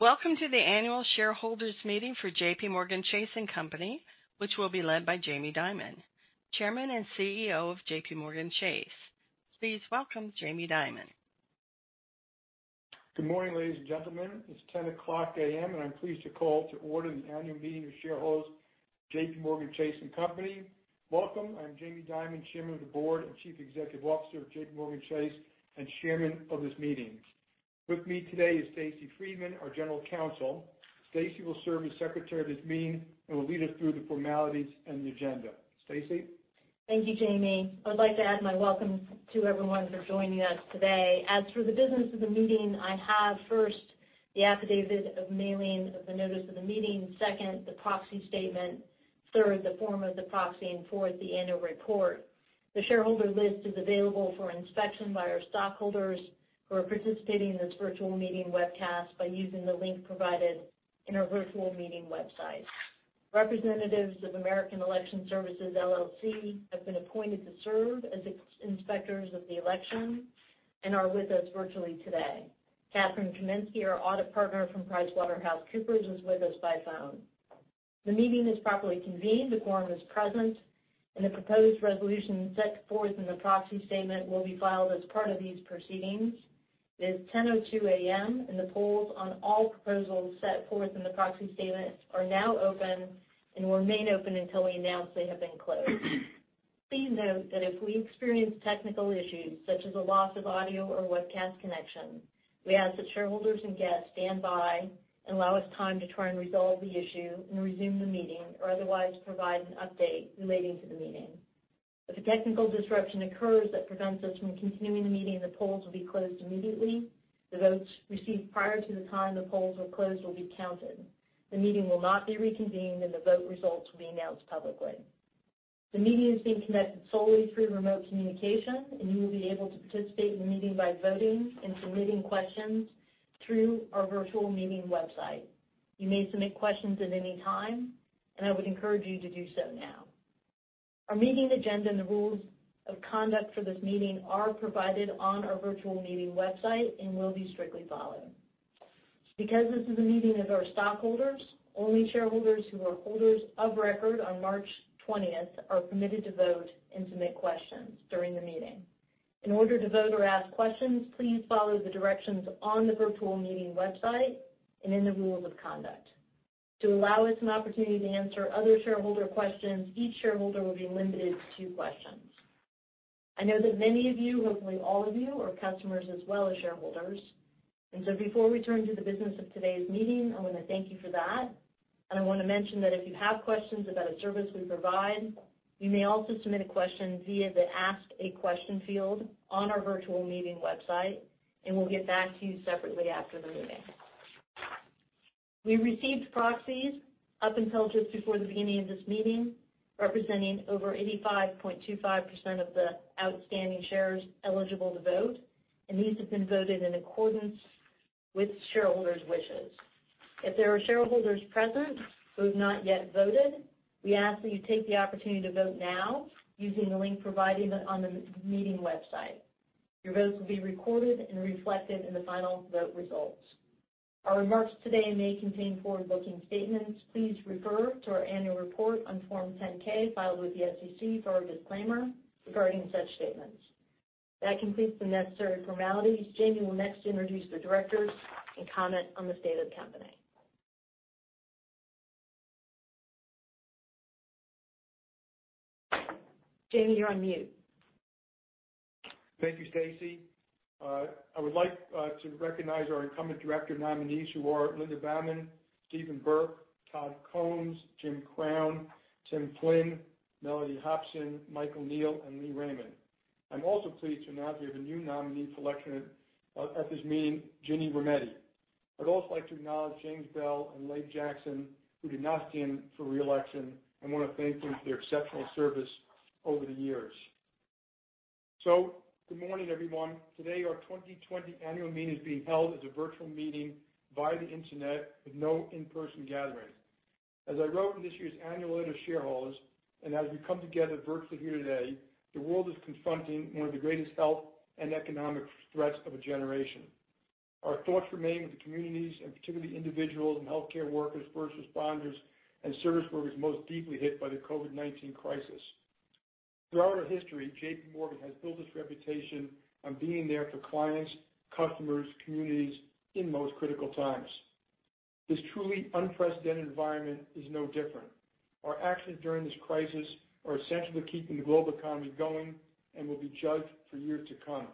Welcome to the annual shareholders meeting for JPMorgan Chase & Co., which will be led by Jamie Dimon, Chairman and CEO of JPMorgan Chase. Please welcome Jamie Dimon. Good morning, ladies and gentlemen. It's 10:00 A.M. I'm pleased to call to order the annual meeting of shareholders, JPMorgan Chase & Co. Welcome. I'm Jamie Dimon, Chairman of the Board and Chief Executive Officer of JPMorgan Chase, Chairman of this meeting. With me today is Stacey Friedman, our General Counsel. Stacey will serve as secretary of this meeting and will lead us through the formalities and the agenda. Stacey? Thank you, Jamie. I would like to add my welcome to everyone for joining us today. As for the business of the meeting, I have first, the affidavit of mailing of the notice of the meeting, second, the proxy statement, third, the form of the proxy, and fourth, the annual report. The shareholder list is available for inspection by our stockholders who are participating in this virtual meeting webcast by using the link provided in our virtual meeting website. Representatives of American Election Services, LLC, have been appointed to serve as inspectors of the election and are with us virtually today. Kathryn Kaminsky, our audit partner from PricewaterhouseCoopers, is with us by phone. The meeting is properly convened, a quorum is present, and the proposed resolution set forth in the proxy statement will be filed as part of these proceedings. It is 10:02 A.M., and the polls on all proposals set forth in the proxy statement are now open and will remain open until we announce they have been closed. Please note that if we experience technical issues such as a loss of audio or webcast connection, we ask that shareholders and guests stand by and allow us time to try and resolve the issue and resume the meeting or otherwise provide an update relating to the meeting. If a technical disruption occurs that prevents us from continuing the meeting, the polls will be closed immediately. The votes received prior to the time the polls were closed will be counted. The meeting will not be reconvened, and the vote results will be announced publicly. The meeting is being conducted solely through remote communication, and you will be able to participate in the meeting by voting and submitting questions through our virtual meeting website. You may submit questions at any time, and I would encourage you to do so now. Our meeting agenda and the rules of conduct for this meeting are provided on our virtual meeting website and will be strictly followed. Because this is a meeting of our stockholders, only shareholders who are holders of record on March 20th are permitted to vote and submit questions during the meeting. In order to vote or ask questions, please follow the directions on the virtual meeting website and in the rules of conduct. To allow us an opportunity to answer other shareholder questions, each shareholder will be limited to two questions. I know that many of you, hopefully all of you, are customers as well as shareholders. Before we turn to the business of today's meeting, I want to thank you for that, and I want to mention that if you have questions about a service we provide, you may also submit a question via the Ask a Question field on our virtual meeting website, and we'll get back to you separately after the meeting. We received proxies up until just before the beginning of this meeting, representing over 85.25% of the outstanding shares eligible to vote, and these have been voted in accordance with shareholders' wishes. If there are shareholders present who have not yet voted, we ask that you take the opportunity to vote now using the link provided on the meeting website. Your votes will be recorded and reflected in the final vote results. Our remarks today may contain forward-looking statements. Please refer to our annual report on Form 10-K filed with the SEC for our disclaimer regarding such statements. That completes the necessary formalities. Jamie will next introduce the directors and comment on the state of the company. Jamie, you're on mute. Thank you, Stacey. I would like to recognize our incumbent director nominees, who are Linda Bammann, Stephen Burke, Todd Combs, Jim Crown, Tim Flynn, Mellody Hobson, Michael Neal, and Lee Raymond. I'm also pleased to announce we have a new nominee for election at this meeting, Ginni Rometty. I'd also like to acknowledge James Bell and Laban Jackson, who did not stand for re-election. I want to thank them for their exceptional service over the years. Good morning, everyone. Today, our 2020 annual meeting is being held as a virtual meeting via the Internet with no in-person gathering. As I wrote in this year's annual letter to shareholders, and as we come together virtually here today, the world is confronting one of the greatest health and economic threats of a generation. Our thoughts remain with the communities and particularly individuals and healthcare workers, first responders, and service workers most deeply hit by the COVID-19 crisis. Throughout our history, JPMorgan has built its reputation on being there for clients, customers, communities in most critical times. This truly unprecedented environment is no different. Our actions during this crisis are essential to keeping the global economy going and will be judged for years to come.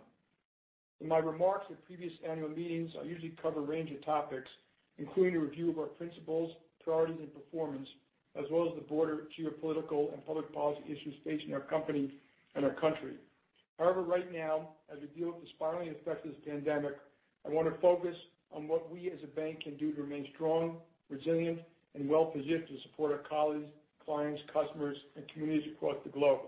In my remarks at previous annual meetings, I usually cover a range of topics, including a review of our principles, priorities, and performance, as well as the broader geopolitical and public policy issues facing our company and our country. However, right now, as we deal with the spiraling effects of this pandemic, I want to focus on what we as a bank can do to remain strong, resilient, and well-positioned to support our colleagues, clients, customers, and communities across the globe.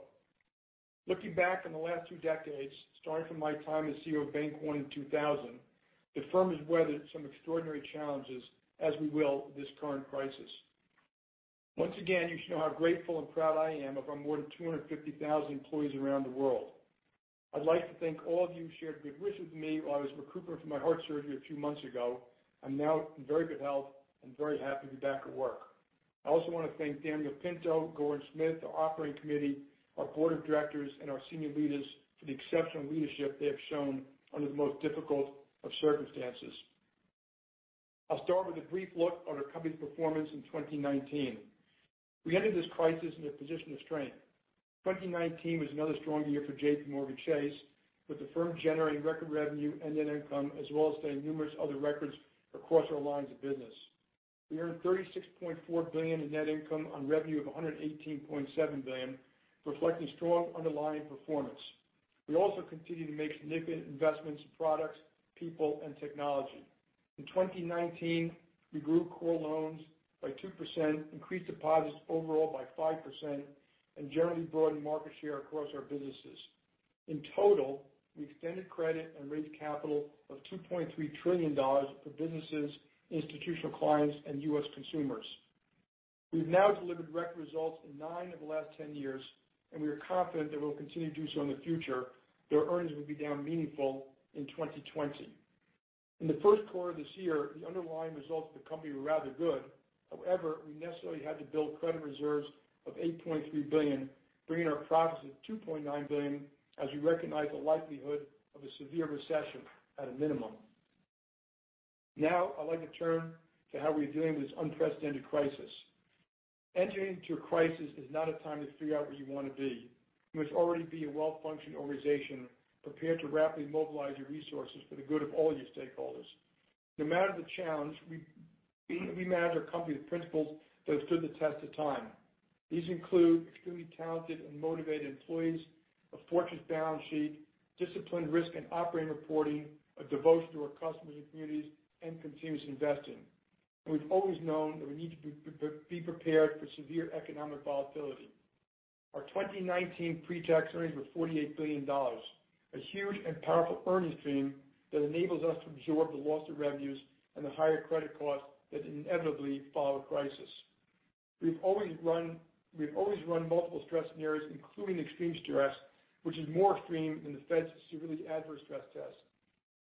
Looking back on the last 2 decades, starting from my time as CEO of Bank One in 2000, the firm has weathered some extraordinary challenges, as we will with this current crisis. Once again, you should know how grateful and proud I am of our more than 250,000 employees around the world. I'd like to thank all of you who shared good wishes with me while I was recuperating from my heart surgery a few months ago. I'm now in very good health and very happy to be back at work. I also want to thank Daniel Pinto, Gordon Smith, our operating committee, our board of directors, and our senior leaders for the exceptional leadership they have shown under the most difficult of circumstances. I'll start with a brief look on our company's performance in 2019. We entered this crisis in a position of strength. 2019 was another strong year for JPMorgan Chase, with the firm generating record revenue and net income, as well as setting numerous other records across our lines of business. We earned $36.4 billion in net income on revenue of $118.7 billion, reflecting strong underlying performance. We also continued to make significant investments in products, people, and technology. In 2019, we grew core loans by 2%, increased deposits overall by 5%, and generally broadened market share across our businesses. In total, we extended credit and raised capital of $2.3 trillion for businesses, institutional clients, and U.S. consumers. We've now delivered record results in nine of the last 10 years, and we are confident that we will continue to do so in the future, though earnings will be down meaningful in 2020. In the first quarter of this year, the underlying results of the company were rather good. However, we necessarily had to build credit reserves of $8.3 billion, bringing our profits to $2.9 billion, as we recognized the likelihood of a severe recession at a minimum. Now, I'd like to turn to how we are dealing with this unprecedented crisis. Entering into a crisis is not a time to figure out where you want to be. You must already be a well-functioning organization, prepared to rapidly mobilize your resources for the good of all your stakeholders. No matter the challenge, we manage our company with principles that have stood the test of time. These include extremely talented and motivated employees, a fortress balance sheet, disciplined risk and operating reporting, a devotion to our customers and communities, and continuous investing. We've always known that we need to be prepared for severe economic volatility. Our 2019 pre-tax earnings were $48 billion, a huge and powerful earnings stream that enables us to absorb the loss of revenues and the higher credit costs that inevitably follow a crisis. We've always run multiple stress scenarios, including extreme stress, which is more extreme than the Fed's severely adverse stress test.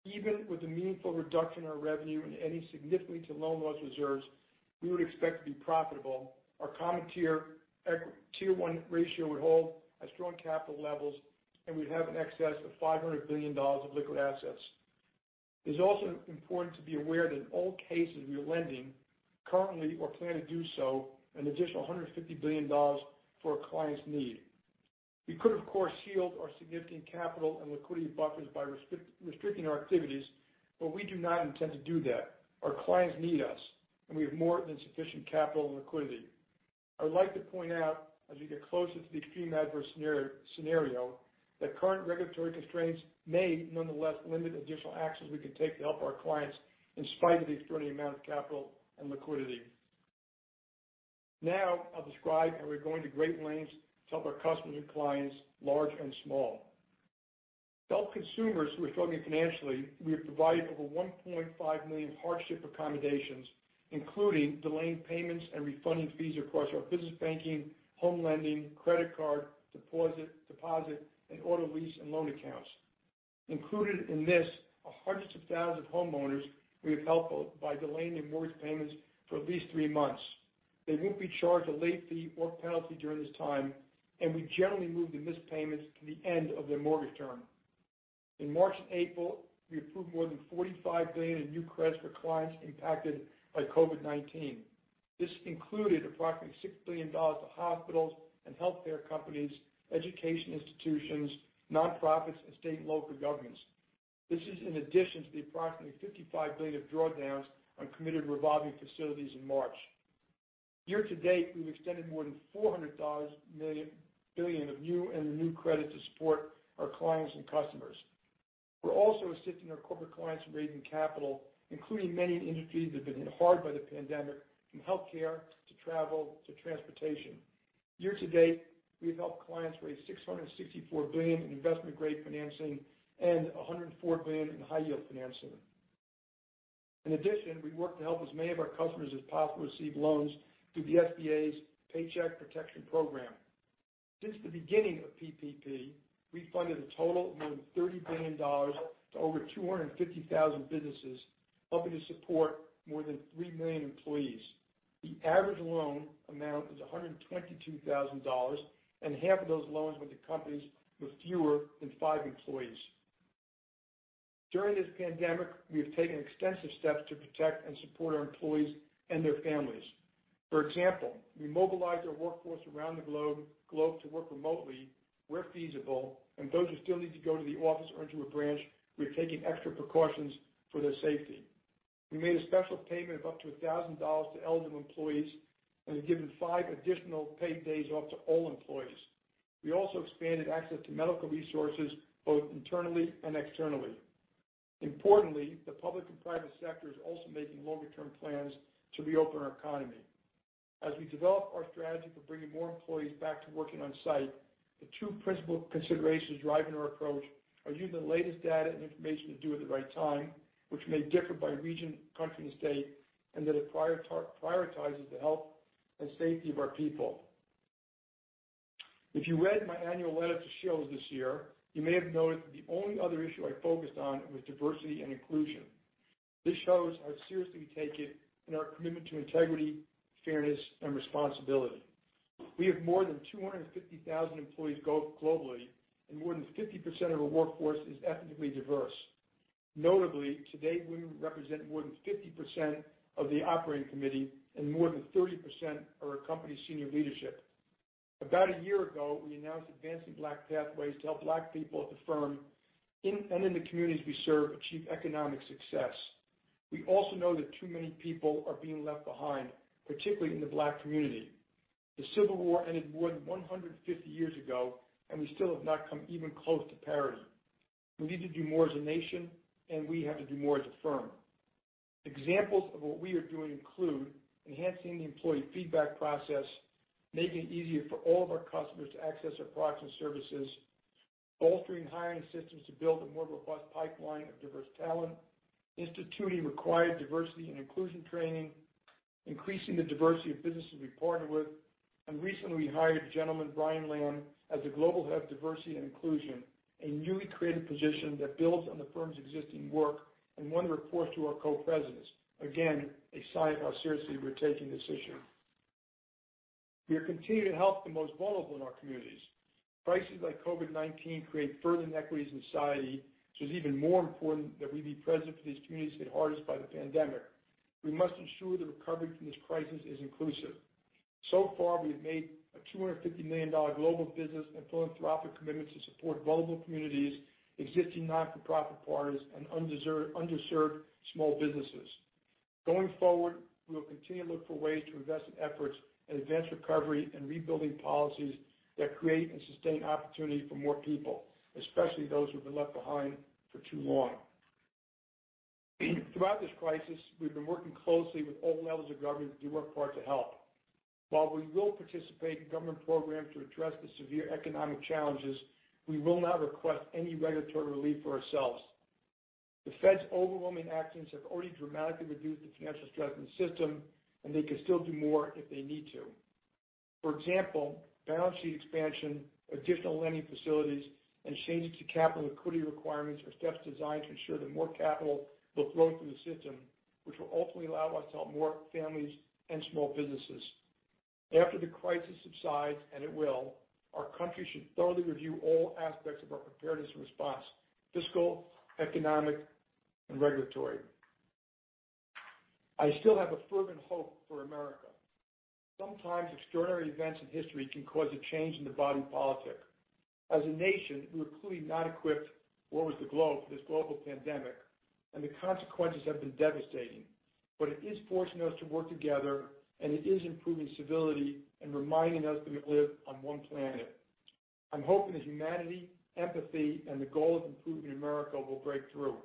Even with a meaningful reduction in our revenue and any significant to loan loss reserves, we would expect to be profitable. Our common Tier 1 ratio would hold at strong capital levels, and we'd have in excess of $500 billion of liquid assets. It is also important to be aware that in all cases, we are lending currently or plan to do so, an additional $150 billion for our clients' need. We could, of course, shield our significant capital and liquidity buffers by restricting our activities, but we do not intend to do that. Our clients need us, and we have more than sufficient capital and liquidity. I would like to point out, as we get closer to the extreme adverse scenario, that current regulatory constraints may nonetheless limit the additional actions we can take to help our clients, in spite of the extraordinary amount of capital and liquidity. Now, I'll describe how we're going to great lengths to help our customers and clients, large and small. To help consumers who are struggling financially, we have provided over 1.5 million hardship accommodations, including delaying payments and refunding fees across our business banking, home lending, credit card, deposit, and auto lease and loan accounts. Included in this are hundreds of thousands of homeowners we have helped by delaying their mortgage payments for at least three months. They won't be charged a late fee or penalty during this time, and we generally move the missed payments to the end of their mortgage term. In March and April, we approved more than $45 billion in new credits for clients impacted by COVID-19. This included approximately $6 billion to hospitals and healthcare companies, education institutions, nonprofits, and state and local governments. This is in addition to the approximately $55 billion of drawdowns on committed revolving facilities in March. Year to date, we've extended more than $400 billion of new and renewed credit to support our clients and customers. We're also assisting our corporate clients in raising capital, including many in industries that have been hit hard by the pandemic, from healthcare to travel to transportation. Year to date, we have helped clients raise $664 billion in investment-grade financing and $104 billion in high-yield financing. We've worked to help as many of our customers as possible receive loans through the SBA's Paycheck Protection Program. Since the beginning of PPP, we funded a total of more than $30 billion to over 250,000 businesses, helping to support more than 3 million employees. The average loan amount is $122,000, and half of those loans went to companies with fewer than five employees. During this pandemic, we have taken extensive steps to protect and support our employees and their families. For example, we mobilized our workforce around the globe to work remotely where feasible, and those who still need to go to the office or into a branch, we've taken extra precautions for their safety. We made a special payment of up to $1,000 to eligible employees and have given five additional paid days off to all employees. We also expanded access to medical resources, both internally and externally. Importantly, the public and private sector is also making longer-term plans to reopen our economy. As we develop our strategy for bringing more employees back to working on-site, the two principal considerations driving our approach are using the latest data and information to do it at the right time, which may differ by region, country, and state, and that it prioritizes the health and safety of our people. If you read my annual letter to shareholders this year, you may have noticed that the only other issue I focused on was diversity and inclusion. This shows how seriously we take it and our commitment to integrity, fairness, and responsibility. We have more than 250,000 employees globally, and more than 50% of our workforce is ethnically diverse. Notably, today, women represent more than 50% of the operating committee, and more than 30% are our company's senior leadership. About a year ago, we announced Advancing Black Pathways to help Black people at the firm and in the communities we serve achieve economic success. We also know that too many people are being left behind, particularly in the Black community. The Civil War ended more than 150 years ago, and we still have not come even close to parity. We need to do more as a nation, and we have to do more as a firm. Examples of what we are doing include enhancing the employee feedback process, making it easier for all of our customers to access our products and services, bolstering hiring systems to build a more robust pipeline of diverse talent, instituting required diversity and inclusion training, increasing the diversity of businesses we partner with, and recently we hired a gentleman, Brian Lamb, as the Global Head of Diversity and Inclusion, a newly created position that builds on the firm's existing work and one that reports to our co-presidents. Again, a sign of how seriously we're taking this issue. We are continuing to help the most vulnerable in our communities. Crises like COVID-19 create further inequities in society. It's even more important that we be present for these communities hit hardest by the pandemic. We must ensure the recovery from this crisis is inclusive. Far, we have made a $250 million global business and philanthropic commitment to support vulnerable communities, existing not-for-profit partners, and underserved small businesses. Going forward, we will continue to look for ways to invest in efforts and advance recovery and rebuilding policies that create and sustain opportunity for more people, especially those who have been left behind for too long. Throughout this crisis, we've been working closely with all levels of government to do our part to help. While we will participate in government programs to address the severe economic challenges, we will not request any regulatory relief for ourselves. The Fed's overwhelming actions have already dramatically reduced the financial stress in the system, and they can still do more if they need to. For example, balance sheet expansion, additional lending facilities, and changes to capital liquidity requirements are steps designed to ensure that more capital will flow through the system, which will ultimately allow us to help more families and small businesses. After the crisis subsides, and it will, our country should thoroughly review all aspects of our preparedness and response, fiscal, economic, and regulatory. I still have a fervent hope for America. Sometimes extraordinary events in history can cause a change in the body politic. As a nation, we were clearly not equipped for this global pandemic, and the consequences have been devastating. It is forcing us to work together, and it is improving civility and reminding us that we live on one planet. I'm hoping that humanity, empathy, and the goal of improving America will break through.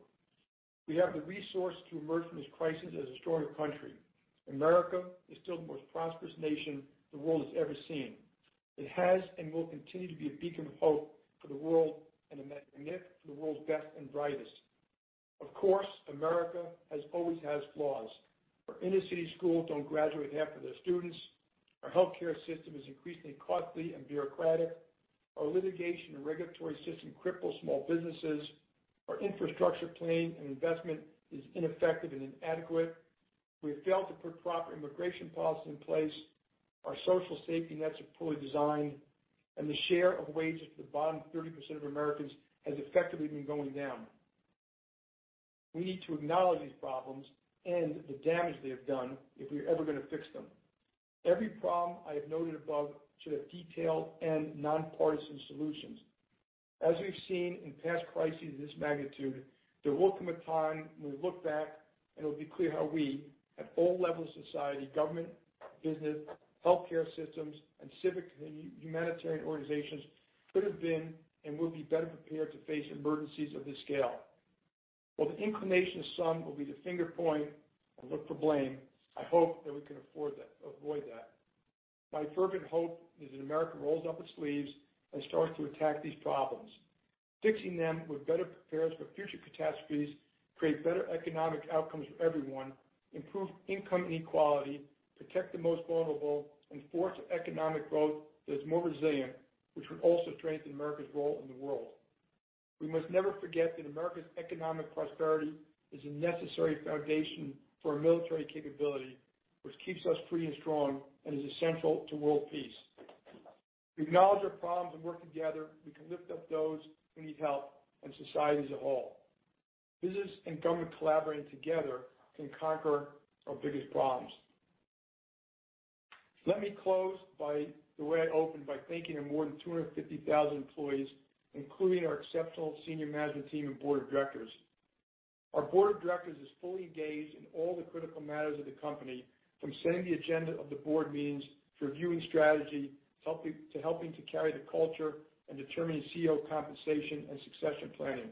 We have the resources to emerge from this crisis as a stronger country. America is still the most prosperous nation the world has ever seen. It has and will continue to be a beacon of hope for the world and a magnet for the world's best and brightest. Of course, America always has flaws. Our inner-city schools don't graduate half of their students. Our healthcare system is increasingly costly and bureaucratic. Our litigation and regulatory system cripple small businesses. Our infrastructure planning and investment is ineffective and inadequate. We have failed to put proper immigration policy in place. Our social safety nets are poorly designed. The share of wages for the bottom 30% of Americans has effectively been going down. We need to acknowledge these problems and the damage they have done if we are ever going to fix them. Every problem I have noted above should have detailed and nonpartisan solutions. As we've seen in past crises of this magnitude, there will come a time when we look back, and it'll be clear how we, at all levels of society, government, business, healthcare systems, and civic and humanitarian organizations could have been and will be better prepared to face emergencies of this scale. While the inclination of some will be to finger-point and look for blame, I hope that we can avoid that. My fervent hope is that America rolls up its sleeves and starts to attack these problems. Fixing them would better prepare us for future catastrophes, create better economic outcomes for everyone, improve income inequality, protect the most vulnerable, and forge economic growth that is more resilient, which would also strengthen America's role in the world. We must never forget that America's economic prosperity is a necessary foundation for our military capability, which keeps us free and strong and is essential to world peace. If we acknowledge our problems and work together, we can lift up those who need help and society as a whole. Business and government collaborating together can conquer our biggest problems. Let me close by the way I opened, by thanking our more than 250,000 employees, including our exceptional senior management team and board of directors. Our board of directors is fully engaged in all the critical matters of the company, from setting the agenda of the board meetings, to reviewing strategy, to helping to carry the culture, and determining CEO compensation and succession planning.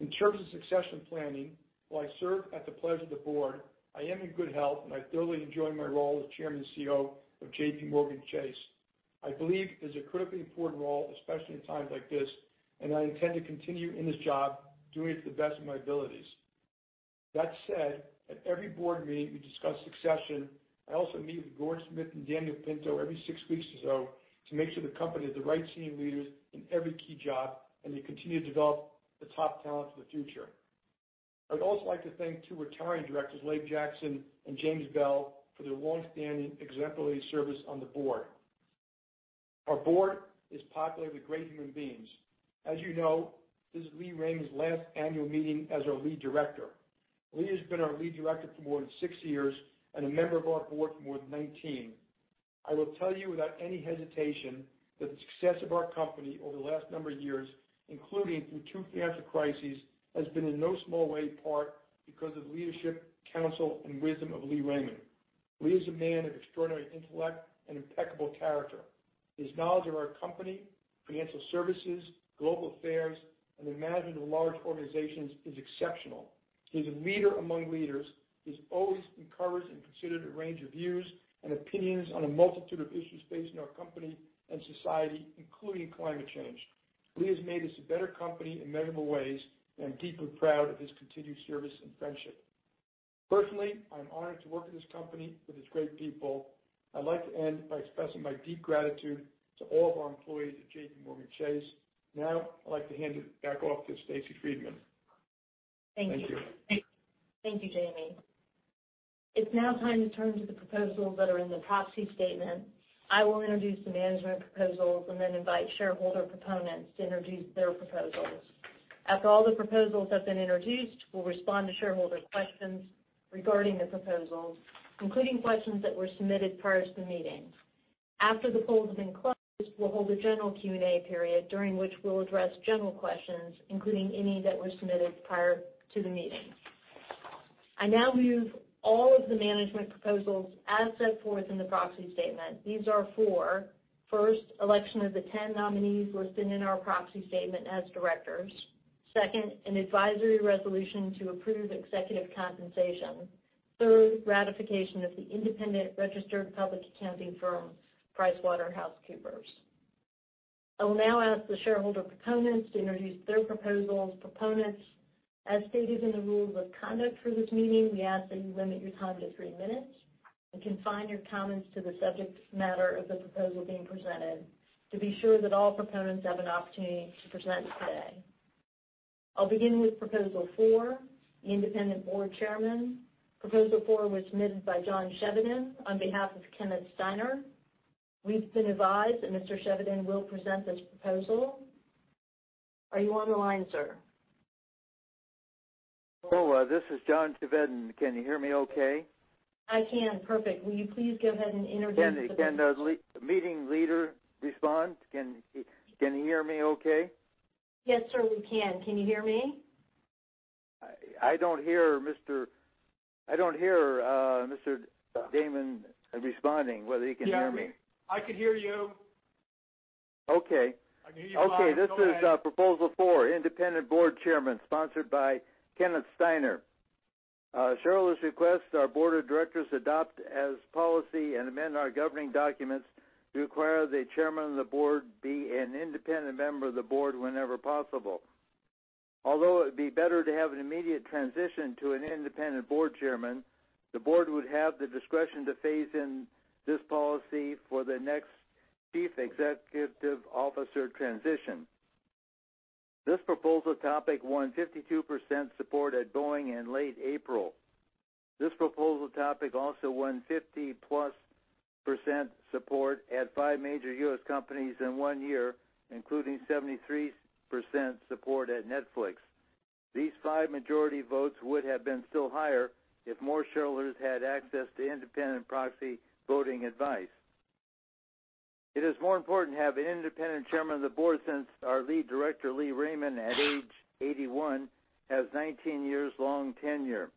In terms of succession planning, while I serve at the pleasure of the board, I am in good health, and I thoroughly enjoy my role as chairman and CEO of JPMorgan Chase. I believe it is a critically important role, especially in times like this, and I intend to continue in this job, doing it to the best of my abilities. That said, at every board meeting, we discuss succession. I also meet with Gordon Smith and Daniel Pinto every six weeks or so to make sure the company has the right senior leaders in every key job and to continue to develop the top talent for the future. I'd also like to thank two retiring directors, Laban Jackson and James Bell, for their longstanding exemplary service on the board. Our board is populated with great human beings. As you know, this is Lee Raymond's last annual meeting as our lead director. Lee has been our lead director for more than six years and a member of our board for more than 19. I will tell you without any hesitation that the success of our company over the last number of years, including through two financial crises, has been in no small way part because of the leadership, counsel, and wisdom of Lee Raymond. Lee is a man of extraordinary intellect and impeccable character. His knowledge of our company, financial services, global affairs, and the management of large organizations is exceptional. He's a leader among leaders. He's always encouraged and considered a range of views and opinions on a multitude of issues facing our company and society, including climate change. Lee has made us a better company in measurable ways, and I'm deeply proud of his continued service and friendship. Personally, I'm honored to work at this company with its great people. I'd like to end by expressing my deep gratitude to all of our employees at JPMorgan Chase. I'd like to hand it back off to Stacey Friedman. Thank you. Thank you, Jamie. It's now time to turn to the proposals that are in the proxy statement. I will introduce the management proposals and then invite shareholder proponents to introduce their proposals. After all the proposals have been introduced, we'll respond to shareholder questions regarding the proposals, including questions that were submitted prior to the meeting. After the polls have been closed, we'll hold a general Q&A period, during which we'll address general questions, including any that were submitted prior to the meeting. I now move all of the management proposals as set forth in the proxy statement. These are four. First, election of the 10 nominees listed in our proxy statement as directors. Second, an advisory resolution to approve executive compensation. Third, ratification of the independent registered public accounting firm, PricewaterhouseCoopers. I will now ask the shareholder proponents to introduce their proposals. Proponents, as stated in the rules of conduct for this meeting, we ask that you limit your time to three minutes and confine your comments to the subject matter of the proposal being presented to be sure that all proponents have an opportunity to present today. I'll begin with Proposal Four, the independent board chairman. Proposal Four was submitted by John Chevedden on behalf of Kenneth Steiner. We've been advised that Mr. Chevedden will present this proposal. Are you on the line, sir? Hello, this is John Chevedden. Can you hear me okay? I can. Perfect. Will you please go ahead and introduce. Can the meeting leader respond? Can he hear me okay? Yes, sir, we can. Can you hear me? I don't hear Jamie Dimon responding, whether he can hear me. Yes. I can hear you. Okay. I can hear you fine. Go ahead. Okay, this is Proposal 4, independent board chairman, sponsored by Kenneth Steiner. Shareholders request our board of directors adopt as policy and amend our governing documents to require the chairman of the board be an independent member of the board whenever possible. Although it would be better to have an immediate transition to an independent board chairman, the board would have the discretion to phase in this policy for the next chief executive officer transition. This proposal topic won 52% support at Boeing in late April. This proposal topic also won 50-plus % support at five major U.S. companies in one year, including 73% support at Netflix. These five majority votes would have been still higher if more shareholders had access to independent proxy voting advice. It is more important to have an independent Chairman of the Board since our Lead Director, Lee Raymond, at age 81, has 19 years long tenure.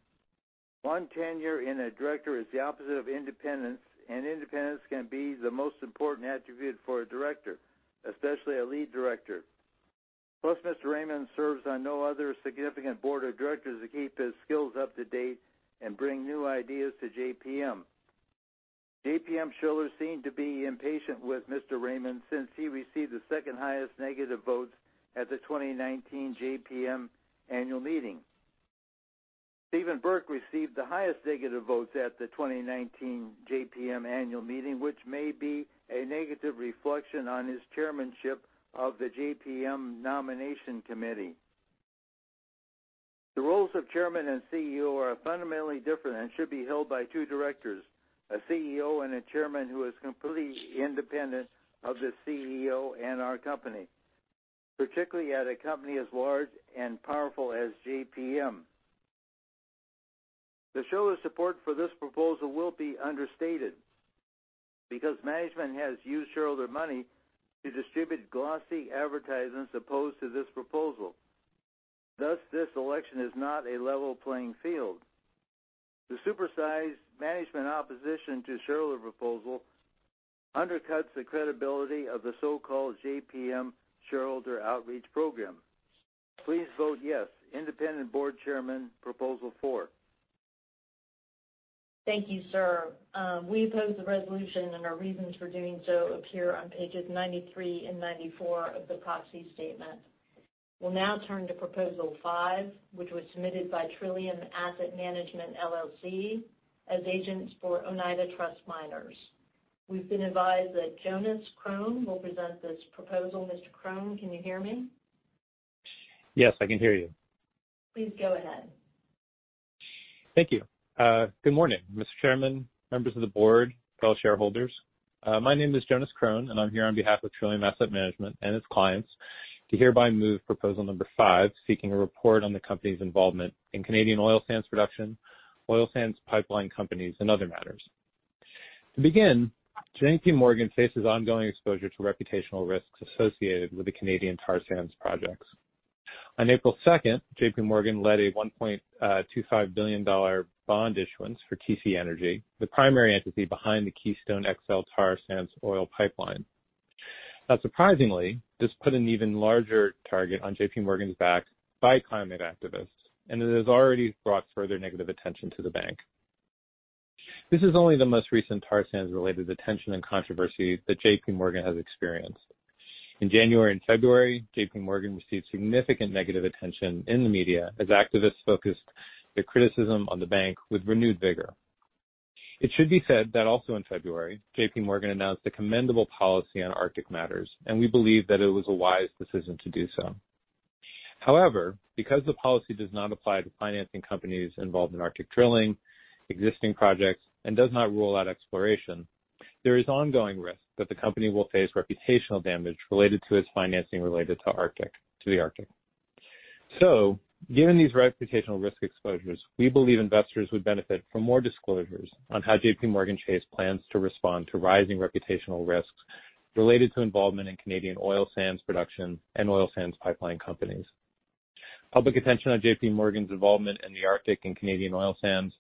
Long tenure in a director is the opposite of independence, and independence can be the most important attribute for a director, especially a Lead Director. Plus, Mr. Raymond serves on no other significant board of directors to keep his skills up to date and bring new ideas to JPM. JPM shareholders seem to be impatient with Mr. Raymond since he received the second highest negative votes at the 2019 JPM Annual Meeting. Stephen Burke received the highest negative votes at the 2019 JPM Annual Meeting, which may be a negative reflection on his chairmanship of the JPM Nomination Committee. The roles of chairman and CEO are fundamentally different and should be held by two directors, a CEO and a chairman who is completely independent of the CEO and our company, particularly at a company as large and powerful as JPM. The shareholder support for this proposal will be understated because management has used shareholder money to distribute glossy advertisements opposed to this proposal. Thus, this election is not a level playing field. The supersized management opposition to shareholder proposal undercuts the credibility of the so-called JPM Shareholder Outreach Program. Please vote yes, independent board chairman, proposal four. Thank you, sir. We oppose the resolution and our reasons for doing so appear on pages 93 and 94 of the proxy statement. We'll now turn to proposal 5, which was submitted by Trillium Asset Management, LLC as agents for Oneida Minors' Trust. We've been advised that Jonas Kron will present this proposal. Mr. Kron, can you hear me? Yes, I can hear you. Please go ahead. Thank you. Good morning, Mr. Chairman, members of the board, fellow shareholders. My name is Jonas Kron, I'm here on behalf of Trillium Asset Management and its clients to hereby move proposal number five, seeking a report on the company's involvement in Canadian oil sands production, oil sands pipeline companies, and other matters. To begin, JPMorgan faces ongoing exposure to reputational risks associated with the Canadian tar sands projects. On April second, JPMorgan led a $1.5 billion bond issuance for TC Energy, the primary entity behind the Keystone XL tar sands oil pipeline. Not surprisingly, this put an even larger target on JPMorgan's back by climate activists. It has already brought further negative attention to the bank. This is only the most recent tar sands related attention and controversy that JPMorgan has experienced. In January and February, JPMorgan received significant negative attention in the media as activists focused their criticism on the bank with renewed vigor. It should be said that also in February, JPMorgan announced a commendable policy on Arctic matters, and we believe that it was a wise decision to do so. Because the policy does not apply to financing companies involved in Arctic drilling, existing projects, and does not rule out exploration, there is ongoing risk that the company will face reputational damage related to its financing related to the Arctic. Given these reputational risk exposures, we believe investors would benefit from more disclosures on how JPMorgan Chase plans to respond to rising reputational risks related to involvement in Canadian oil sands production and oil sands pipeline companies. Public attention on JPMorgan's involvement in the Arctic and Canadian oil sands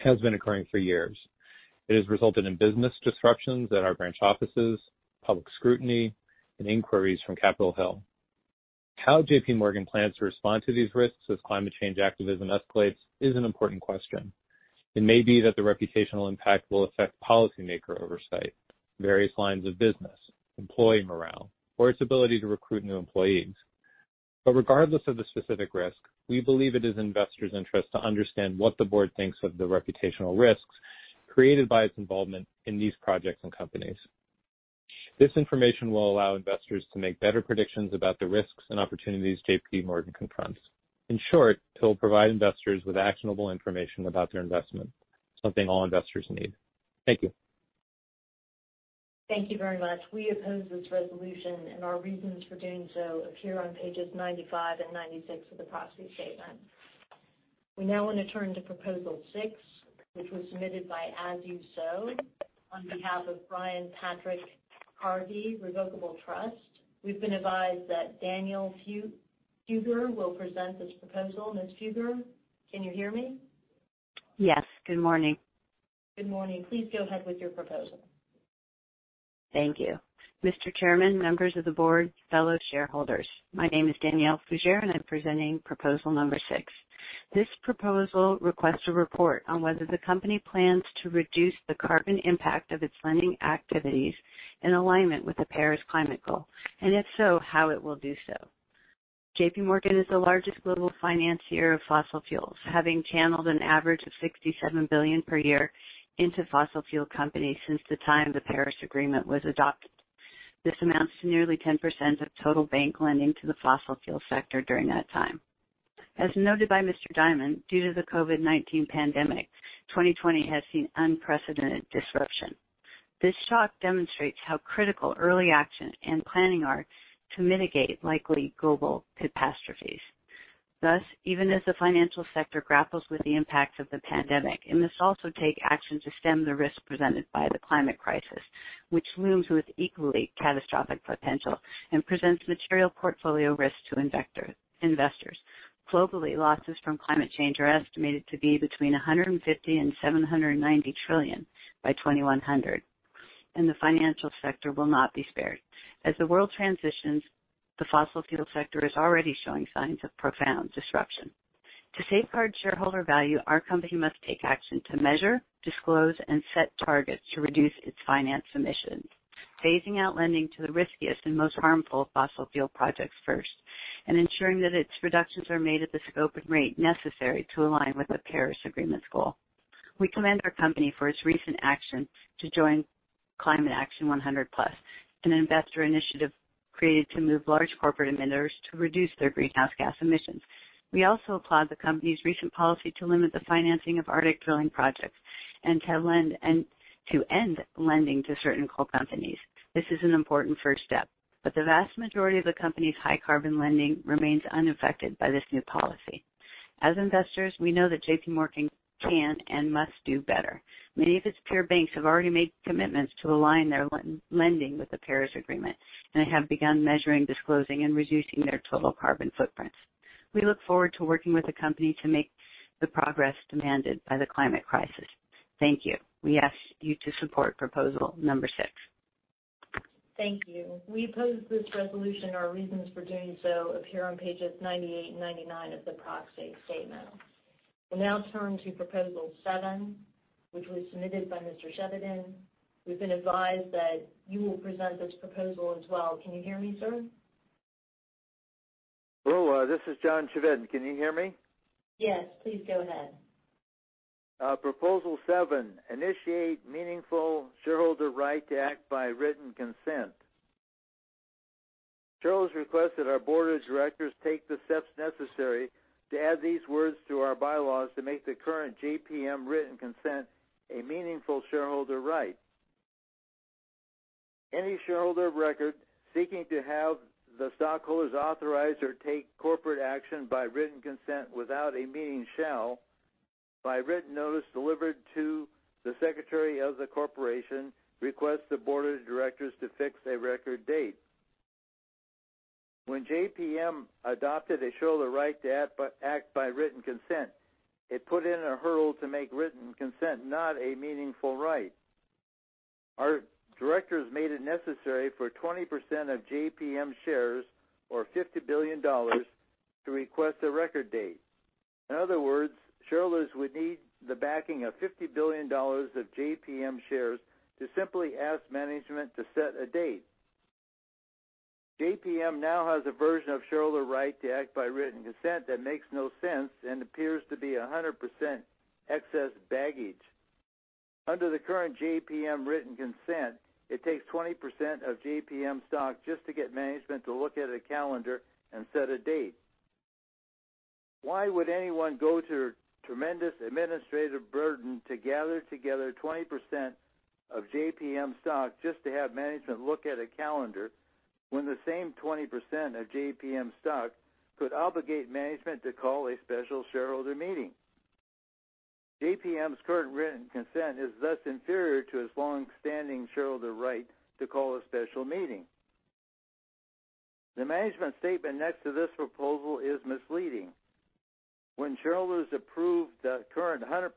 has been occurring for years. It has resulted in business disruptions at our branch offices, public scrutiny, and inquiries from Capitol Hill. How JPMorgan plans to respond to these risks as climate change activism escalates is an important question. It may be that the reputational impact will affect policymaker oversight, various lines of business, employee morale, or its ability to recruit new employees. Regardless of the specific risk, we believe it is in investors' interest to understand what the board thinks of the reputational risks created by its involvement in these projects and companies. This information will allow investors to make better predictions about the risks and opportunities JPMorgan confronts. In short, it will provide investors with actionable information about their investment, something all investors need. Thank you. Thank you very much. We oppose this resolution, our reasons for doing so appear on pages 95 and 96 of the proxy statement. We now want to turn to proposal six, which was submitted by As You Sow on behalf of Brian Patrick Harvey Revocable Trust. We've been advised that Danielle Fugere will present this proposal. Ms. Fugere, can you hear me? Yes. Good morning. Good morning. Please go ahead with your proposal. Thank you. Mr. Chairman, members of the board, fellow shareholders. My name is Danielle Fugere, and I'm presenting proposal number 6. This proposal requests a report on whether the company plans to reduce the carbon impact of its lending activities in alignment with the Paris Climate Goal, and if so, how it will do so. JPMorgan is the largest global financier of fossil fuels, having channeled an average of $67 billion per year into fossil fuel companies since the time the Paris Agreement was adopted. This amounts to nearly 10% of total bank lending to the fossil fuel sector during that time. As noted by Mr. Dimon, due to the COVID-19 pandemic, 2020 has seen unprecedented disruption. This shock demonstrates how critical early action and planning are to mitigate likely global catastrophes. Even as the financial sector grapples with the impacts of the pandemic, it must also take action to stem the risk presented by the climate crisis, which looms with equally catastrophic potential and presents material portfolio risk to investors. Globally, losses from climate change are estimated to be between $150 trillion and $790 trillion by 2100, the financial sector will not be spared. As the world transitions, the fossil fuel sector is already showing signs of profound disruption. To safeguard shareholder value, our company must take action to measure, disclose, and set targets to reduce its finance emissions, phasing out lending to the riskiest and most harmful fossil fuel projects first, and ensuring that its reductions are made at the scope and rate necessary to align with the Paris Agreement goal. We commend our company for its recent action to join Climate Action 100+, an investor initiative created to move large corporate emitters to reduce their greenhouse gas emissions. We also applaud the company's recent policy to limit the financing of Arctic drilling projects and to end lending to certain coal companies. This is an important first step, the vast majority of the company's high carbon lending remains unaffected by this new policy. As investors, we know that JPMorgan can and must do better. Many of its peer banks have already made commitments to align their lending with the Paris Agreement, and have begun measuring, disclosing, and reducing their total carbon footprints. We look forward to working with the company to make the progress demanded by the climate crisis. Thank you. We ask you to support proposal number 6. Thank you. We oppose this resolution. Our reasons for doing so appear on pages 98 and 99 of the proxy statement. We'll now turn to proposal seven, which was submitted by Mr. Chevedden. We've been advised that you will present this proposal as well. Can you hear me, sir? Hello, this is John Chevedden. Can you hear me? Yes, please go ahead. Proposal seven, initiate meaningful shareholder right to act by written consent. Shareholders request that our board of directors take the steps necessary to add these words to our bylaws to make the current JPM written consent a meaningful shareholder right. Any shareholder of record seeking to have the stockholders authorize or take corporate action by written consent without a meeting shall, by written notice delivered to the secretary of the corporation, request the board of directors to fix a record date. When JPM adopted a shareholder right to act by written consent, it put in a hurdle to make written consent not a meaningful right. Our directors made it necessary for 20% of JPM shares or $50 billion to request a record date. In other words, shareholders would need the backing of $50 billion of JPM shares to simply ask management to set a date. JPM now has a version of shareholder right to act by written consent that makes no sense and appears to be 100% excess baggage. Under the current JPM written consent, it takes 20% of JPM stock just to get management to look at a calendar and set a date. Why would anyone go to the tremendous administrative burden to gather together 20% of JPM stock just to have management look at a calendar when the same 20% of JPM stock could obligate management to call a special shareholder meeting? JPM's current written consent is thus inferior to its long-standing shareholder right to call a special meeting. The management statement next to this proposal is misleading. When shareholders approved the current 100%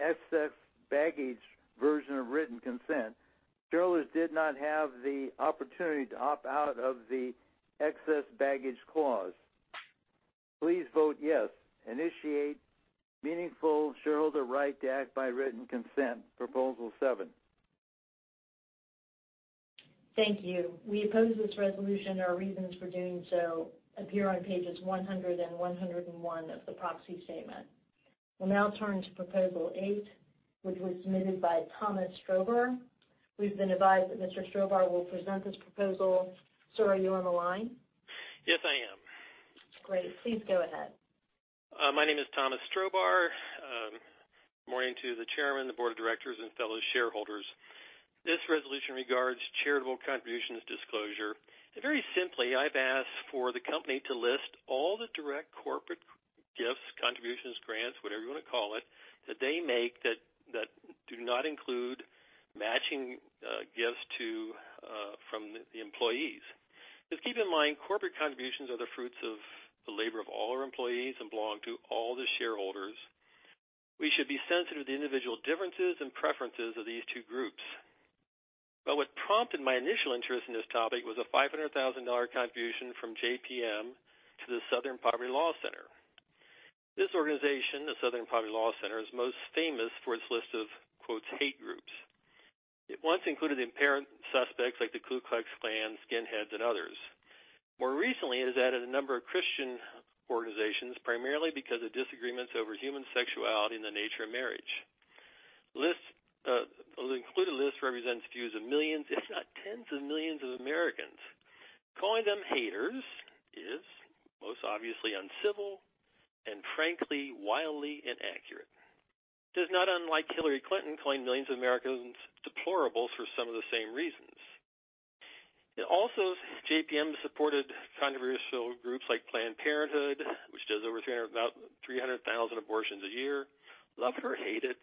excess baggage version of written consent, shareholders did not have the opportunity to opt out of the excess baggage clause. Please vote yes. Initiate meaningful shareholder right to act by written consent, proposal seven. Thank you. We oppose this resolution, and our reasons for doing so appear on pages 100 and 101 of the proxy statement. We'll now turn to proposal eight, which was submitted by Thomas Strobhar. We've been advised that Mr. Strobhar will present this proposal. Sir, are you on the line? Yes, I am. Great. Please go ahead. My name is Thomas Strobhar. Good morning to the chairman, the board of directors, and fellow shareholders. This resolution regards charitable contributions disclosure. Very simply, I've asked for the company to list all the direct corporate gifts, contributions, grants, whatever you want to call it, that they make that do not include matching gifts from the employees. Just keep in mind, corporate contributions are the fruits of the labor of all our employees and belong to all the shareholders. We should be sensitive to the individual differences and preferences of these two groups. What prompted my initial interest in this topic was a $500,000 contribution from JPM to the Southern Poverty Law Center. This organization, the Southern Poverty Law Center, is most famous for its list of "hate groups." It once included the apparent suspects like the Ku Klux Klan, skinheads, and others. More recently, it has added a number of Christian organizations, primarily because of disagreements over human sexuality and the nature of marriage. The included list represents views of millions, if not tens of millions of Americans. Calling them haters is most obviously uncivil and frankly, wildly inaccurate. It is not unlike Hillary Clinton calling millions of Americans deplorable for some of the same reasons. Also, JPM supported controversial groups like Planned Parenthood, which does over 300,000 abortions a year. Love it or hate it,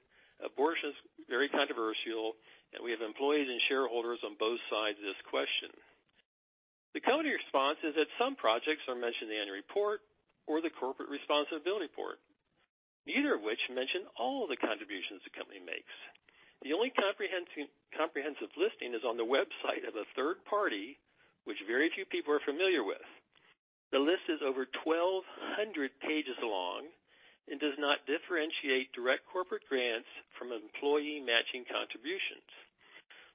abortion is very controversial, and we have employees and shareholders on both sides of this question. The company response is that some projects are mentioned in the annual report or the corporate responsibility report, neither of which mention all the contributions the company makes. The only comprehensive listing is on the website of a third party, which very few people are familiar with. The list is over 1,200 pages long and does not differentiate direct corporate grants from employee matching contributions,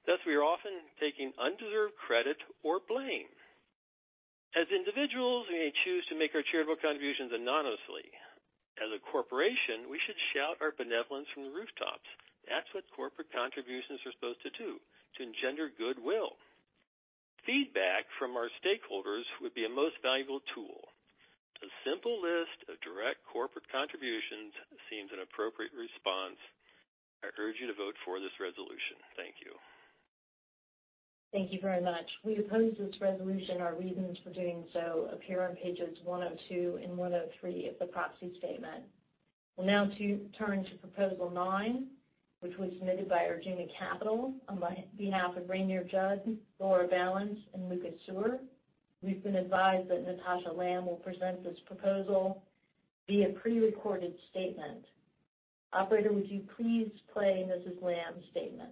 thus we are often taking undeserved credit or blame. As individuals, we may choose to make our charitable contributions anonymously. As a corporation, we should shout our benevolence from the rooftops. That is what corporate contributions are supposed to do, to engender goodwill. Feedback from our stakeholders would be a most valuable tool. A simple list of direct corporate contributions seems an appropriate response. I urge you to vote for this resolution. Thank you. Thank you very much. We oppose this resolution. Our reasons for doing so appear on pages 102 and 103 of the proxy statement. We'll now turn to proposal nine, which was submitted by Arjuna Capital on behalf of Rainer Judd, Laura Valance, and Lukas Sauer. We've been advised that Natasha Lamb will present this proposal via pre-recorded statement. Operator, would you please play Ms. Lamb's statement?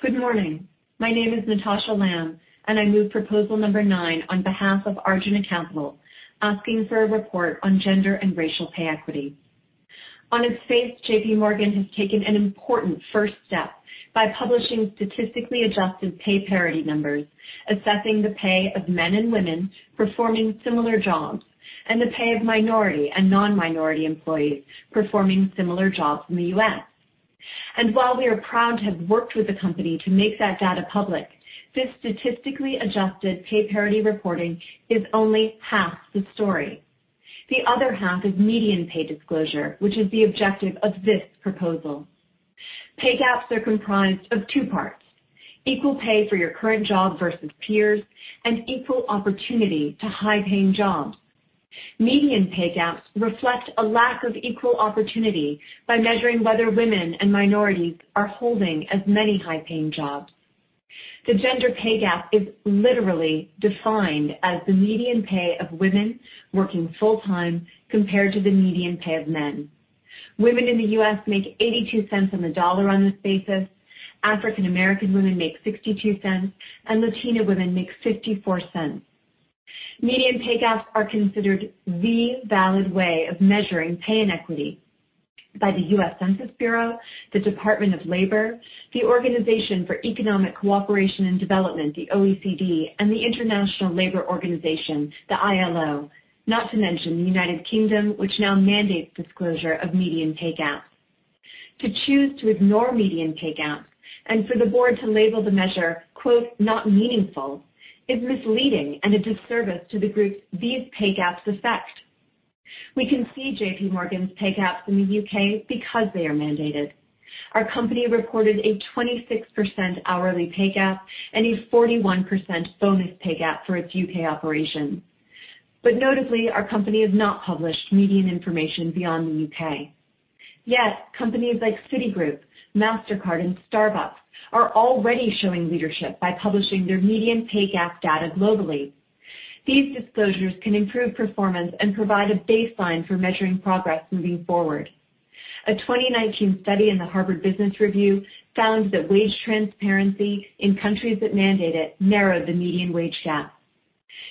Good morning. My name is Natasha Lamb, and I move proposal number nine on behalf of Arjuna Capital, asking for a report on gender and racial pay equity. On its face, JPMorgan has taken an important first step by publishing statistically adjusted pay parity numbers, assessing the pay of men and women performing similar jobs, and the pay of minority and non-minority employees performing similar jobs in the U.S. While we are proud to have worked with the company to make that data public, this statistically adjusted pay parity reporting is only half the story. The other half is median pay disclosure, which is the objective of this proposal. Pay gaps are comprised of two parts, equal pay for your current job versus peers and equal opportunity to high-paying jobs. Median pay gaps reflect a lack of equal opportunity by measuring whether women and minorities are holding as many high-paying jobs. The gender pay gap is literally defined as the median pay of women working full-time compared to the median pay of men. Women in the U.S. make $0.82 on the dollar on this basis, African American women make $0.62, and Latina women make $0.54. Median pay gaps are considered the valid way of measuring pay inequity by the U.S. Census Bureau, the Department of Labor, the Organisation for Economic Co-operation and Development, the OECD, and the International Labour Organization, the ILO. Not to mention the U.K., which now mandates disclosure of median pay gaps. To choose to ignore median pay gaps, and for the board to label the measure "not meaningful," is misleading and a disservice to the groups these pay gaps affect. We can see JPMorgan's pay gaps in the U.K. because they are mandated. Our company reported a 26% hourly pay gap and a 41% bonus pay gap for its U.K. operations. Notably, our company has not published median information beyond the U.K. Yet, companies like Citigroup, Mastercard, and Starbucks are already showing leadership by publishing their median pay gap data globally. These disclosures can improve performance and provide a baseline for measuring progress moving forward. A 2019 study in the Harvard Business Review found that wage transparency in countries that mandate it narrow the median wage gap.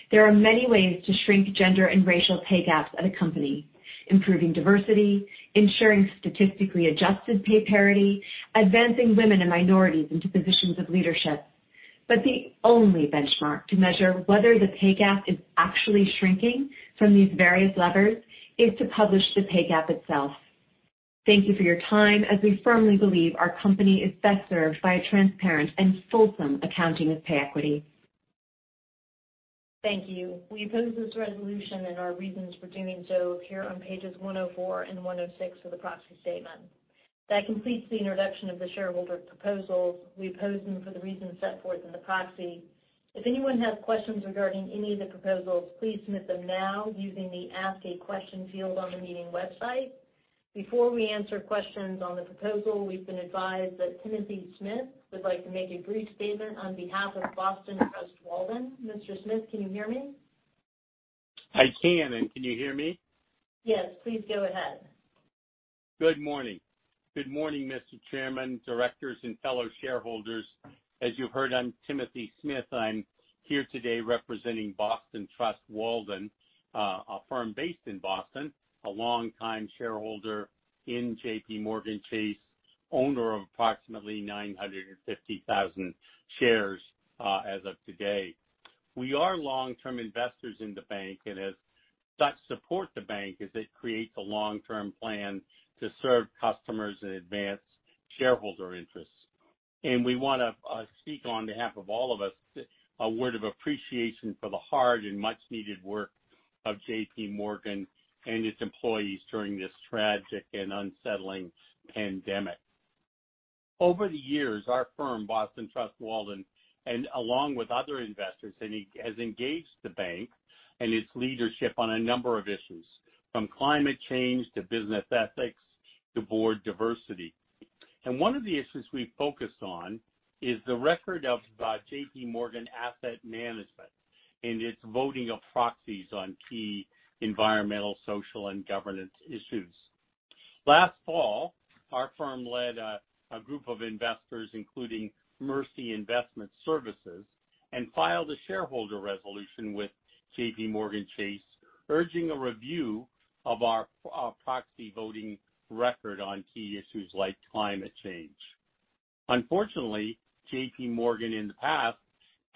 There are many ways to shrink gender and racial pay gaps at a company, improving diversity, ensuring statistically adjusted pay parity, advancing women and minorities into positions of leadership. The only benchmark to measure whether the pay gap is actually shrinking from these various levers is to publish the pay gap itself. Thank you for your time, as we firmly believe our company is best served by a transparent and fulsome accounting of pay equity. Thank you. We oppose this resolution and our reasons for doing so appear on pages 104 and 106 of the proxy statement. That completes the introduction of the shareholder proposals. We oppose them for the reasons set forth in the proxy. If anyone has questions regarding any of the proposals, please submit them now using the Ask a Question field on the meeting website. Before we answer questions on the proposal, we've been advised that Timothy Smith would like to make a brief statement on behalf of Boston Trust Walden. Mr. Smith, can you hear me? I can, and can you hear me? Yes, please go ahead. Good morning. Good morning, Mr. Chairman, directors, and fellow shareholders. As you heard, I'm Timothy Smith. I'm here today representing Boston Trust Walden, a firm based in Boston, a longtime shareholder in JPMorgan Chase, owner of approximately 950,000 shares, as of today. We are long-term investors in the bank, as such, support the bank as it creates a long-term plan to serve customers and advance shareholder interests. We want to speak on behalf of all of us, a word of appreciation for the hard and much-needed work of JPMorgan and its employees during this tragic and unsettling pandemic. Over the years, our firm, Boston Trust Walden, and along with other investors, has engaged the bank and its leadership on a number of issues, from climate change to business ethics to board diversity. One of the issues we focused on is the record of J.P. Morgan Asset Management and its voting of proxies on key environmental, social, and governance issues. Last fall, our firm led a group of investors, including Mercy Investment Services, and filed a shareholder resolution with JPMorgan Chase, urging a review of our proxy voting record on key issues like climate change. Unfortunately, JPMorgan Chase in the past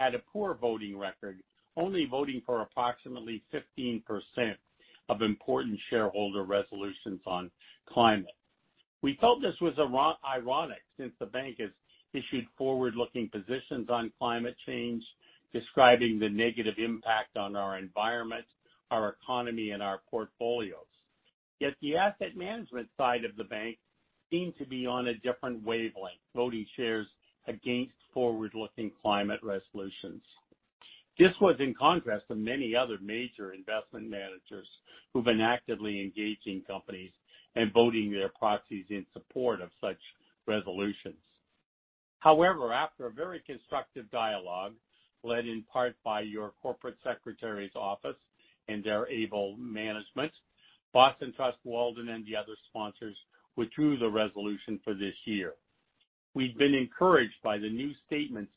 had a poor voting record, only voting for approximately 15% of important shareholder resolutions on climate. We felt this was ironic since the bank has issued forward-looking positions on climate change, describing the negative impact on our environment, our economy, and our portfolios. Yet, the asset management side of the bank seemed to be on a different wavelength, voting shares against forward-looking climate resolutions. This was in contrast to many other major investment managers who've been actively engaging companies and voting their proxies in support of such resolutions. After a very constructive dialogue led in part by your corporate secretary's office and their able management, Boston Trust Walden, and the other sponsors withdrew the resolution for this year. We've been encouraged by the new statements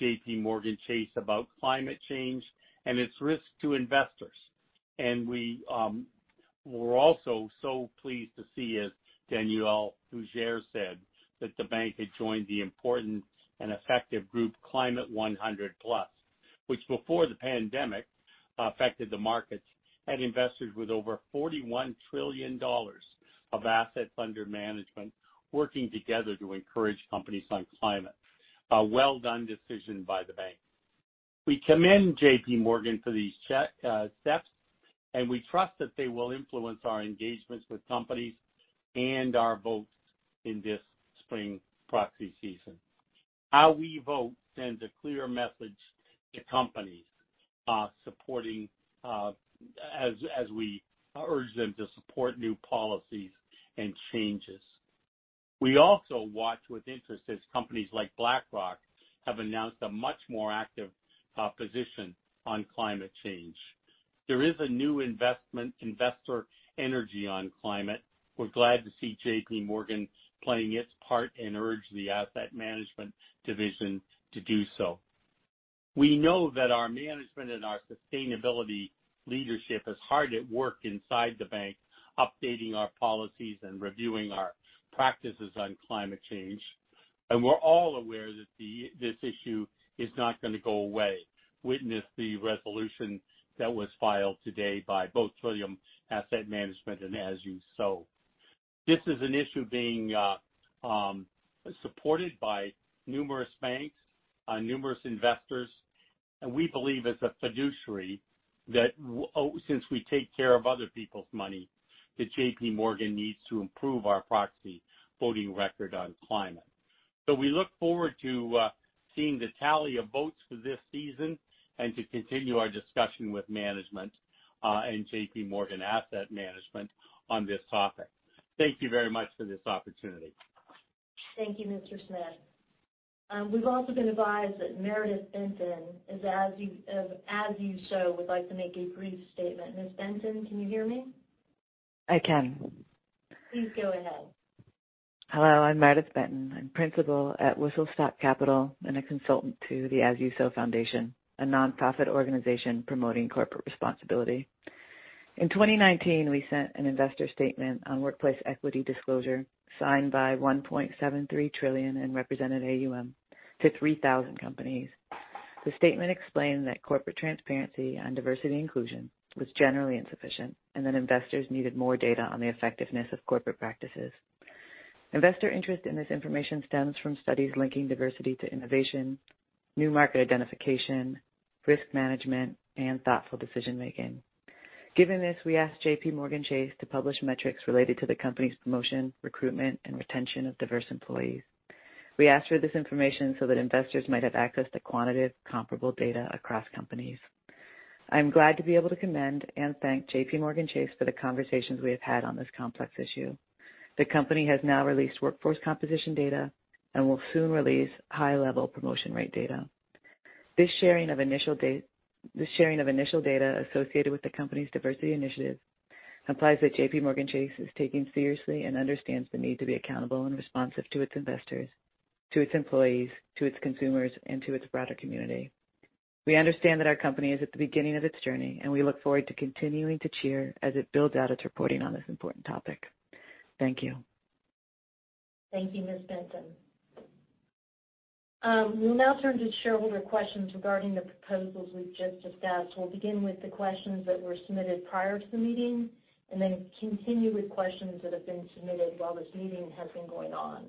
by JPMorgan Chase about climate change and its risks to investors. We're also so pleased to see, as Danielle Fugere said, that the bank had joined the important and effective group Climate 100+, which before the pandemic affected the markets, had investors with over $41 trillion of asset under management, working together to encourage companies on climate. A well-done decision by the bank. We commend JPMorgan for these steps, and we trust that they will influence our engagements with companies and our votes in this spring proxy season. How we vote sends a clear message to companies, as we urge them to support new policies and changes. We also watch with interest as companies like BlackRock have announced a much more active position on climate change. There is a new investor energy on climate. We're glad to see JPMorgan playing its part and urge the asset management division to do so. We know that our management and our sustainability leadership is hard at work inside the bank, updating our policies and reviewing our practices on climate change. We're all aware that this issue is not going to go away. Witness the resolution that was filed today by both Trillium Asset Management and As You Sow. This is an issue being supported by numerous banks, numerous investors. We believe as a fiduciary, that since we take care of other people's money, that JPMorgan needs to improve our proxy voting record on climate. We look forward to seeing the tally of votes for this season and to continue our discussion with management and J.P. Morgan Asset Management on this topic. Thank you very much for this opportunity. Thank you, Mr. Smith. We've also been advised that Meredith Benton of As You Sow would like to make a brief statement. Ms. Benton, can you hear me? I can. Please go ahead. Hello, I'm Meredith Benton. I'm Principal at Whistle Stop Capital and a consultant to the As You Sow Foundation, a nonprofit organization promoting corporate responsibility. In 2019, we sent an investor statement on workplace equity disclosure signed by $1.73 trillion in represented AUM to 3,000 companies. The statement explained that corporate transparency on diversity inclusion was generally insufficient, and that investors needed more data on the effectiveness of corporate practices. Investor interest in this information stems from studies linking diversity to innovation, new market identification, risk management, and thoughtful decision-making. Given this, we asked JPMorgan Chase to publish metrics related to the company's promotion, recruitment, and retention of diverse employees. We asked for this information so that investors might have access to quantitative, comparable data across companies. I'm glad to be able to commend and thank JPMorgan Chase for the conversations we have had on this complex issue. The company has now released workforce composition data and will soon release high-level promotion rate data. This sharing of initial data associated with the company's diversity initiative implies that JPMorgan Chase is taking seriously and understands the need to be accountable and responsive to its investors, to its employees, to its consumers, and to its broader community. We understand that our company is at the beginning of its journey, and we look forward to continuing to cheer as it builds out its reporting on this important topic. Thank you. Thank you, Ms. Benton. We'll now turn to shareholder questions regarding the proposals we've just discussed. We'll begin with the questions that were submitted prior to the meeting and then continue with questions that have been submitted while this meeting has been going on.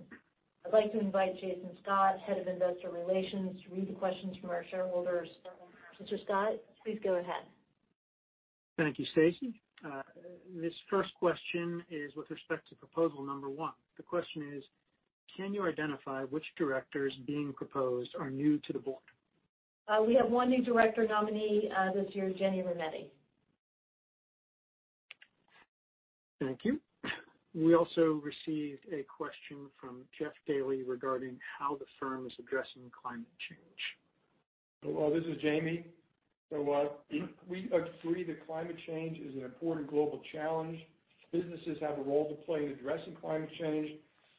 I'd like to invite Jason Scott, Head of Investor Relations, to read the questions from our shareholders. Mr. Scott, please go ahead. Thank you, Stacey. This first question is with respect to proposal number 1. The question is, can you identify which directors being proposed are new to the board? We have one new director nominee this year, Ginni Rometty. Thank you. We also received a question from Jeff Daly regarding how the firm is addressing climate change. Hello, this is Jamie. We agree that climate change is an important global challenge. Businesses have a role to play in addressing climate change,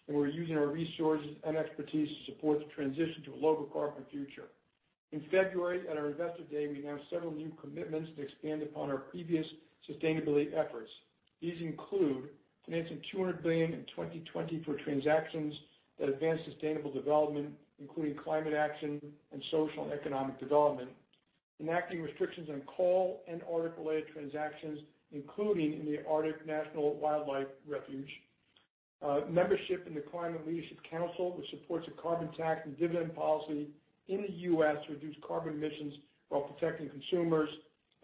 and we're using our resources and expertise to support the transition to a low-carbon future. In February at our Investor Day, we announced several new commitments to expand upon our previous sustainability efforts. These include financing $200 billion in 2020 for transactions that advance Sustainable Development, including Climate Action and social and economic development, enacting restrictions on coal and Arctic-related transactions, including in the Arctic National Wildlife Refuge. Membership in the Climate Leadership Council, which supports a carbon tax and dividend policy in the U.S. to reduce carbon emissions while protecting consumers.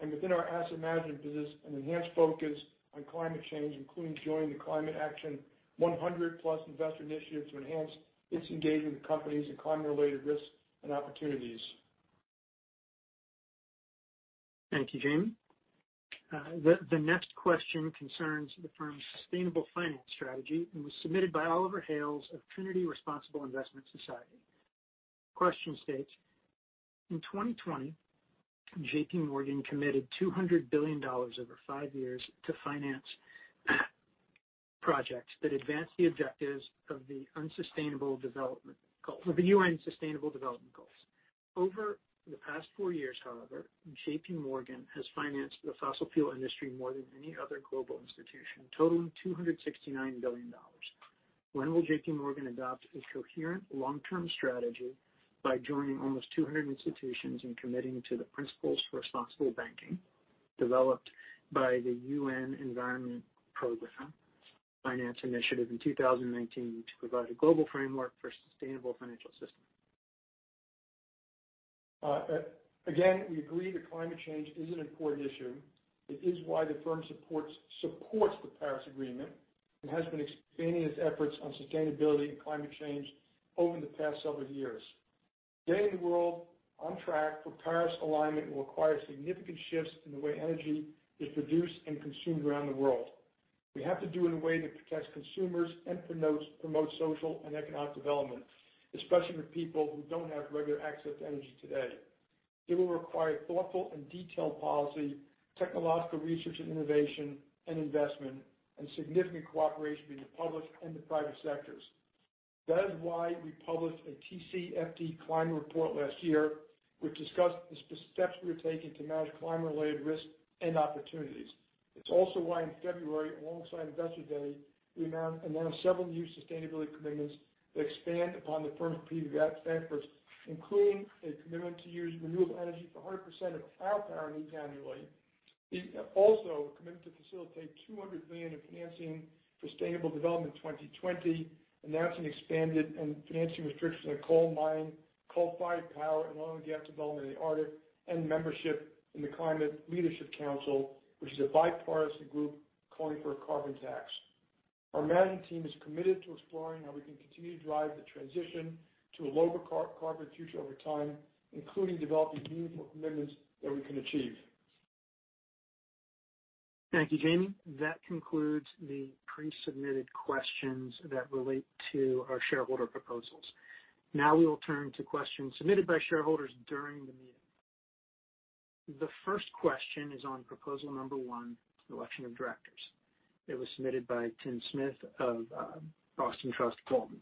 Within our asset management business, an enhanced focus on climate change, including joining the Climate Action 100+ investor initiative to enhance its engagement with companies in climate related risks and opportunities. Thank you, Jamie. The next question concerns the firm's sustainable finance strategy and was submitted by Oliver Hailes of Trinity Responsible Investment Society. Question states: In 2020, JPMorgan committed $200 billion over 5 years to finance projects that advance the objectives of the Sustainable Development Goals. Over the past four years, however, JPMorgan has financed the fossil fuel industry more than any other global institution, totaling $269 billion. When will JPMorgan adopt a coherent long-term strategy by joining almost 200 institutions in committing to the principles for responsible banking, developed by the UN Environment Programme Finance Initiative in 2019 to provide a global framework for sustainable financial systems? Again, we agree that climate change is an important issue. It is why the firm supports the Paris Agreement and has been expanding its efforts on sustainability and climate change over the past several years. Getting the world on track for Paris alignment will require significant shifts in the way energy is produced and consumed around the world. We have to do it in a way that protects consumers and promotes social and economic development, especially for people who don't have regular access to energy today. It will require thoughtful and detailed policy, technological research and innovation, and investment, and significant cooperation between the public and the private sectors. That is why we published a TCFD climate report last year, which discussed the steps we are taking to manage climate-related risks and opportunities. It's also why in February, alongside Investor Day, we announced several new sustainability commitments that expand upon the firm's previous efforts, including a commitment to use renewable energy for 100% of our power needs annually. We also committed to facilitate $200 billion in financing for Sustainable Development 2020, announcing expanded and financing restrictions on coal mining, coal-fired power, and oil and gas development in the Arctic, and membership in the Climate Leadership Council, which is a bipartisan group calling for a carbon tax. Our managing team is committed to exploring how we can continue to drive the transition to a lower carbon future over time, including developing meaningful commitments that we can achieve. Thank you, Jamie. That concludes the pre-submitted questions that relate to our shareholder proposals. We will turn to questions submitted by shareholders during the meeting. The first question is on proposal number 1, election of directors. It was submitted by Tim Smith of Boston Trust Walden.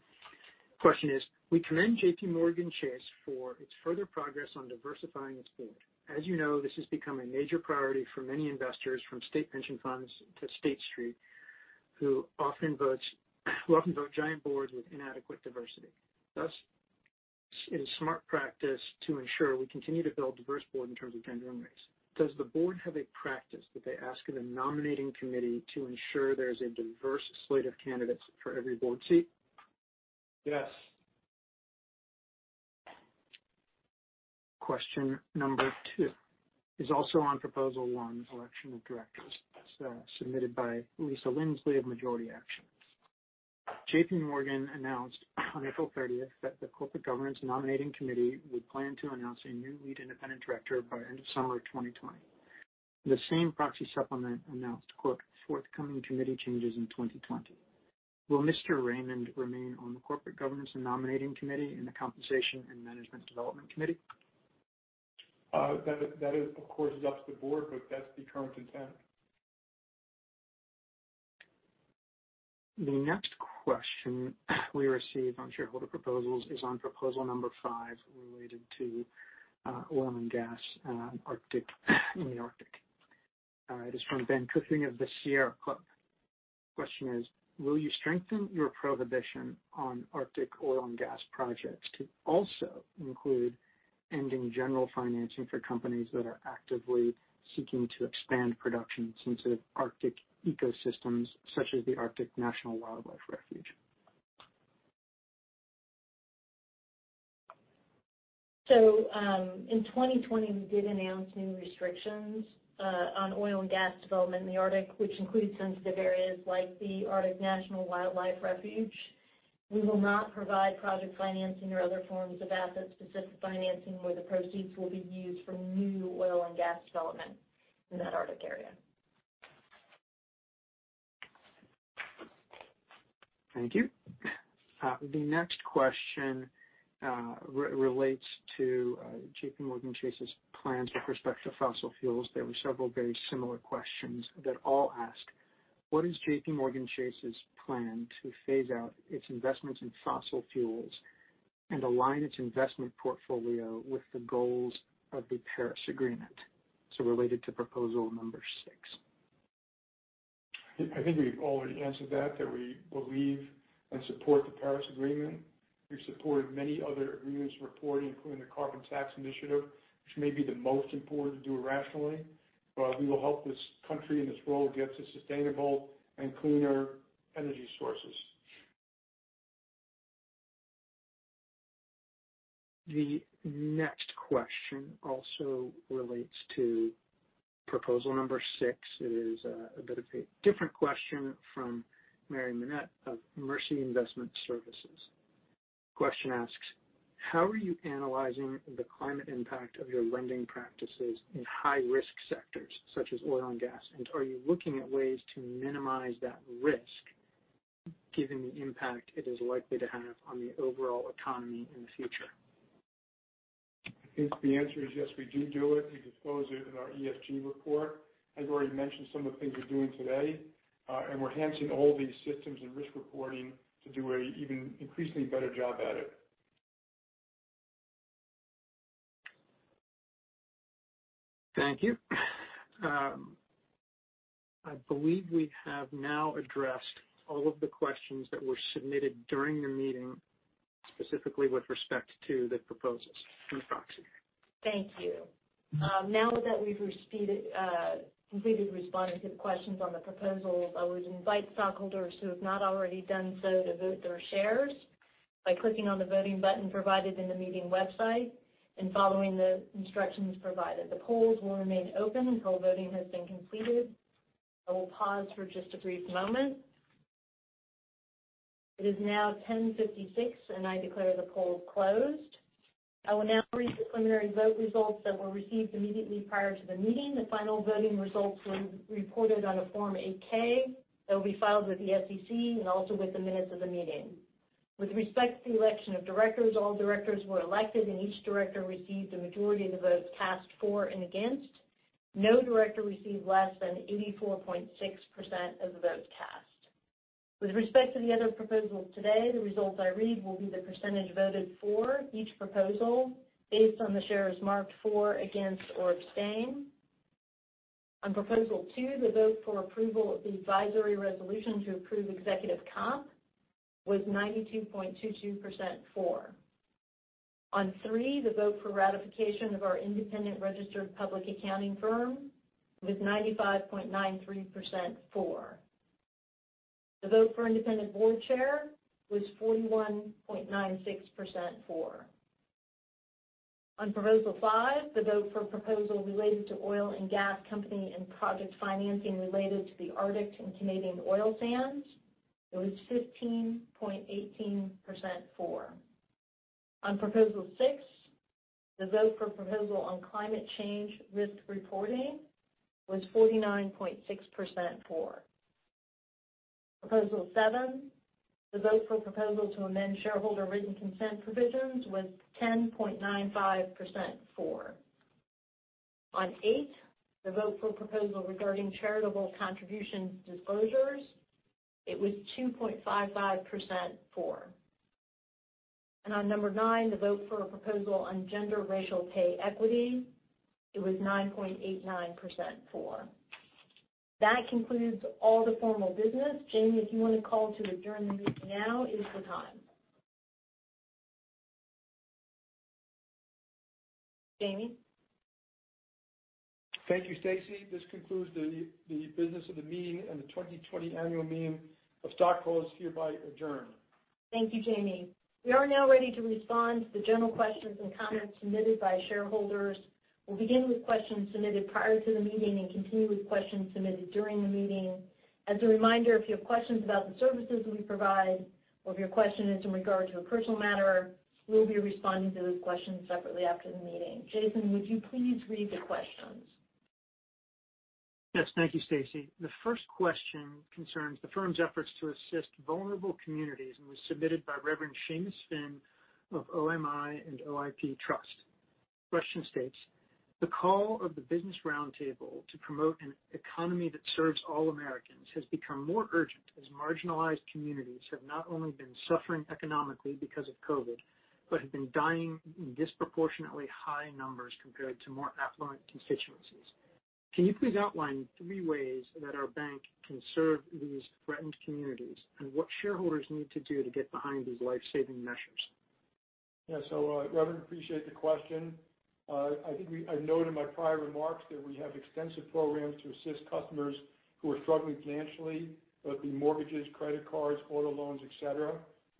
Question is: We commend JPMorgan Chase for its further progress on diversifying its board. As you know, this has become a major priority for many investors, from state pension funds to State Street, who often vote giant boards with inadequate diversity. Thus, it is smart practice to ensure we continue to build a diverse board in terms of gender and race. Does the Board have a practice that they ask of the nominating committee to ensure there's a diverse slate of candidates for every board seat? Yes. Question number two is also on proposal one, election of directors. It's submitted by Lisa Lindsley of Majority Action. JPMorgan announced on April 30th that the corporate governance nominating committee would plan to announce a new lead independent director by end of summer 2020. The same proxy supplement announced, quote, "forthcoming committee changes in 2020." Will Mr. Raymond remain on the corporate governance and nominating committee and the compensation and management development committee? That, of course, is up to the board, but that's the current intent. The next question we received on shareholder proposals is on proposal number five, related to oil and gas in the Arctic. It is from Ben Cushing of the Sierra Club. Question is: Will you strengthen your prohibition on Arctic oil and gas projects to also include ending general financing for companies that are actively seeking to expand production into Arctic ecosystems such as the Arctic National Wildlife Refuge? In 2020, we did announce new restrictions on oil and gas development in the Arctic, which includes sensitive areas like the Arctic National Wildlife Refuge. We will not provide project financing or other forms of asset-specific financing where the proceeds will be used for new oil and gas development in that Arctic area. Thank you. The next question relates to JPMorgan Chase's plans with respect to fossil fuels. There were several very similar questions that all ask: What is JPMorgan Chase's plan to phase out its investments in fossil fuels and align its investment portfolio with the goals of the Paris Agreement? Related to proposal number six. I think we've already answered that we believe and support the Paris Agreement. We've supported many other agreements reported, including the Carbon Tax Initiative, which may be the most important to do it rationally. We will help this country and this world get to sustainable and cleaner energy sources. The next question also relates to proposal number 6. It is a bit of a different question from Mary Minette of Mercy Investment Services. Question asks, how are you analyzing the climate impact of your lending practices in high-risk sectors such as oil and gas? Are you looking at ways to minimize that risk given the impact it is likely to have on the overall economy in the future? I think the answer is yes, we do do it. We disclose it in our ESG report. I've already mentioned some of the things we're doing today. We're enhancing all these systems and risk reporting to do an even increasingly better job at it. Thank you. I believe we have now addressed all of the questions that were submitted during the meeting, specifically with respect to the proposals in the proxy. Thank you. Now that we've completed responding to the questions on the proposals, I would invite stockholders who have not already done so to vote their shares by clicking on the Voting button provided in the meeting website and following the instructions provided. The polls will remain open until voting has been completed. I will pause for just a brief moment. It is now 10:56 A.M., and I declare the polls closed. I will now read the preliminary vote results that were received immediately prior to the meeting. The final voting results will be reported on a Form 8-K that will be filed with the SEC and also with the minutes of the meeting. With respect to the election of directors, all directors were elected, and each director received a majority of the votes cast for and against. No director received less than 84.6% of the votes cast. With respect to the other proposals today, the results I read will be the percentage voted for each proposal based on the shares marked for, against, or abstain. On proposal two, the vote for approval of the advisory resolution to approve executive comp was 92.22% for. On three, the vote for ratification of our independent registered public accounting firm was 95.93% for. The vote for independent board chair was 41.96% for. On proposal five, the vote for proposal related to oil and gas company and project financing related to the Arctic and Canadian oil sands, it was 15.18% for. On proposal six, the vote for proposal on climate change risk reporting was 49.6% for. Proposal 7, the vote for proposal to amend shareholder written consent provisions was 10.95% for. On 8, the vote for proposal regarding charitable contributions disclosures, it was 2.55% for. On number 9, the vote for a proposal on gender racial pay equity, it was 9.89% for. That concludes all the formal business. Jamie, if you want to call to adjourn the meeting, now is the time. Jamie? Thank you, Stacey. This concludes the business of the meeting and the 2020 Annual Meeting of Stockholders hereby adjourned. Thank you, Jamie. We are now ready to respond to the general questions and comments submitted by shareholders. We will begin with questions submitted prior to the meeting and continue with questions submitted during the meeting. As a reminder, if you have questions about the services we provide or if your question is in regard to a personal matter, we will be responding to those questions separately after the meeting. Jason, would you please read the questions? Yes. Thank you, Stacey. The first question concerns the firm's efforts to assist vulnerable communities and was submitted by Reverend Séamus Finn of OMI and OIP Trust. Question states: The call of the Business Roundtable to promote an economy that serves all Americans has become more urgent as marginalized communities have not only been suffering economically because of COVID, but have been dying in disproportionately high numbers compared to more affluent constituencies. Can you please outline three ways that our bank can serve these threatened communities, and what shareholders need to do to get behind these life-saving measures? Reverend, appreciate the question. I think I noted in my prior remarks that we have extensive programs to assist customers who are struggling financially, whether it be mortgages, credit cards, auto loans, et cetera.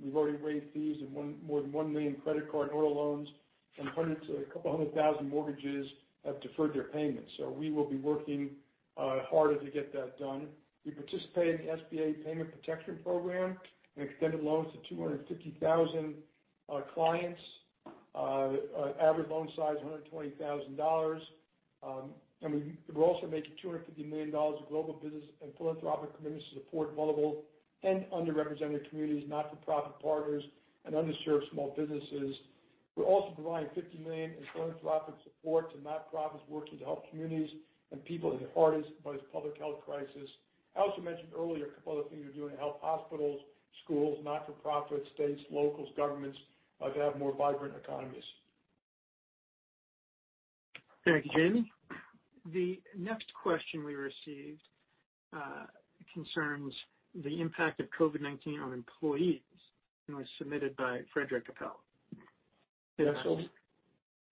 We've already waived fees in more than 1 million credit card and auto loans, and 200,000 mortgages have deferred their payments. We will be working harder to get that done. We participate in the SBA Paycheck Protection Program and extended loans to 250,000 clients. Average loan size, $120,000. We're also making $250 million of global business and philanthropic commitments to support vulnerable and underrepresented communities, not-for-profit partners, and underserved small businesses. We're also providing $50 million in philanthropic support to nonprofits working to help communities and people the hardest by this public health crisis. I also mentioned earlier a couple other things we're doing to help hospitals, schools, not-for-profits, states, locals, governments to have more vibrant economies. Thank you, Jamie. The next question we received concerns the impact of COVID-19 on employees and was submitted by Frederick Capell. Yes.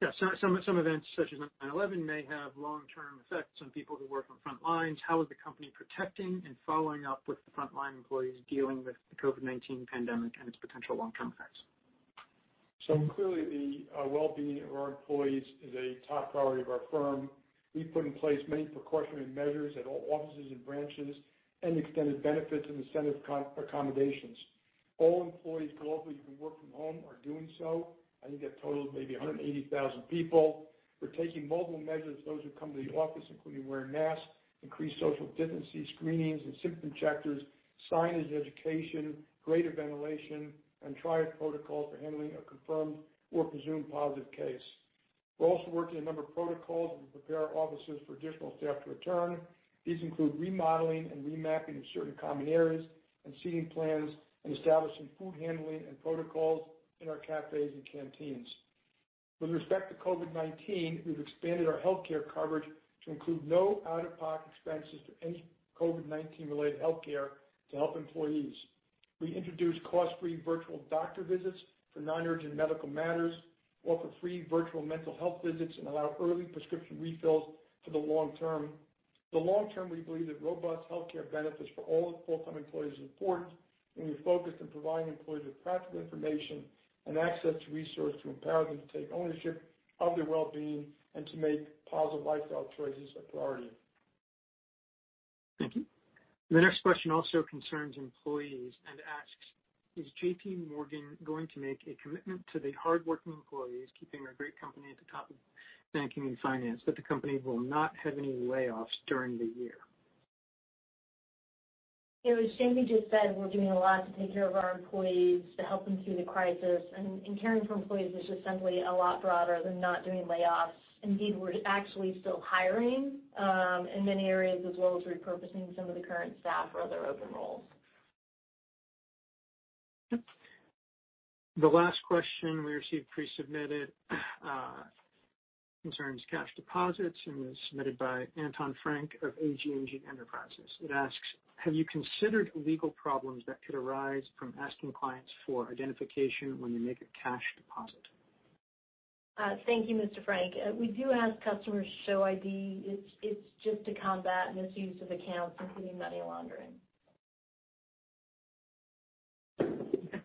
Yeah. Some events, such as 9/11, may have long-term effects on people who work on front lines. How is the company protecting and following up with the frontline employees dealing with the COVID-19 pandemic and its potential long-term effects? Clearly the well-being of our employees is a top priority of our firm. We've put in place many precautionary measures at all offices and branches and extended benefits and incentive accommodations. All employees globally who can work from home are doing so. I think that totals maybe 180,000 people. We're taking multiple measures for those who come to the office, including wearing masks, increased social distancing, screenings, and symptom checkers, signage education, greater ventilation, and triage protocols for handling a confirmed or presumed positive case. We're also working on a number of protocols as we prepare our offices for additional staff to return. These include remodeling and remapping of certain common areas and seating plans and establishing food handling and protocols in our cafes and canteens. With respect to COVID-19, we've expanded our healthcare coverage to include no out-of-pocket expenses for any COVID-19 related healthcare to help employees. We introduced cost-free virtual doctor visits for non-urgent medical matters, offer free virtual mental health visits, and allow early prescription refills for the long term. The long term, we believe that robust healthcare benefits for all our full-time employees is important, and we're focused on providing employees with practical information and access to resources to empower them to take ownership of their well-being and to make positive lifestyle choices a priority. Thank you. The next question also concerns employees and asks, "Is JPMorgan going to make a commitment to the hardworking employees keeping our great company at the top of banking and finance, that the company will not have any layoffs during the year? As Jamie just said, we're doing a lot to take care of our employees, to help them through the crisis, and caring for employees is just simply a lot broader than not doing layoffs. Indeed, we're actually still hiring in many areas as well as repurposing some of the current staff for other open roles. The last question we received pre-submitted concerns cash deposits and was submitted by Anton Frank of AGNG Enterprises. It asks, "Have you considered legal problems that could arise from asking clients for identification when you make a cash deposit? Thank you, Mr. Frank. We do ask customers to show ID. It's just to combat misuse of accounts, including money laundering.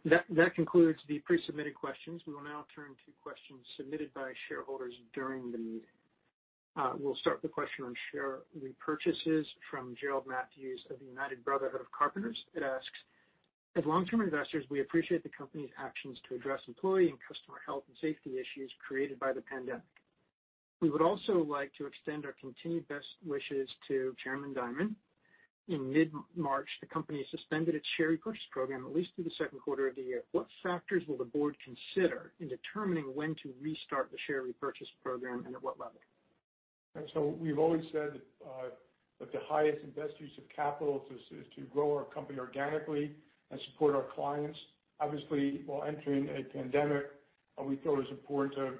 That concludes the pre-submitted questions. We will now turn to questions submitted by shareholders during the meeting. We will start the question on share repurchases from Gerald Matthews of the United Brotherhood of Carpenters. It asks, "As long-term investors, we appreciate the company's actions to address employee and customer health and safety issues created by the pandemic. We would also like to extend our continued best wishes to Chairman Dimon. In mid-March, the company suspended its share repurchase program at least through the second quarter of the year. What factors will the board consider in determining when to restart the share repurchase program and at what level? We've always said that the highest and best use of capital is to grow our company organically and support our clients. Obviously, while entering a pandemic, we thought it was important to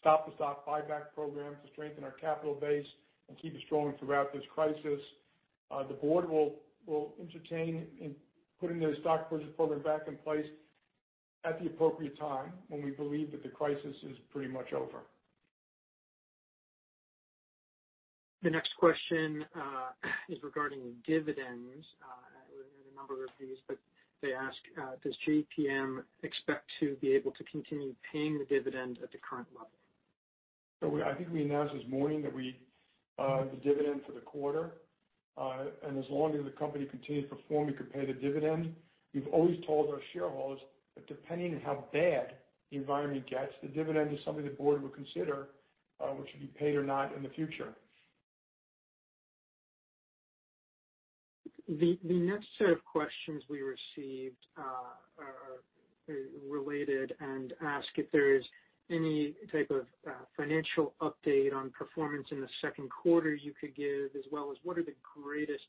stop the stock buyback program to strengthen our capital base and keep it strong throughout this crisis. The board will entertain putting the stock purchase program back in place at the appropriate time, when we believe that the crisis is pretty much over. The next question is regarding dividends. We have a number of these, but they ask, "Does JPM expect to be able to continue paying the dividend at the current level? I think we announced this morning the dividend for the quarter. As long as the company continues to perform, we can pay the dividend. We've always told our shareholders that depending on how bad the environment gets, the dividend is something the board would consider, which would be paid or not in the future. The next set of questions we received are related and ask if there is any type of financial update on performance in the second quarter you could give, as well as what are the greatest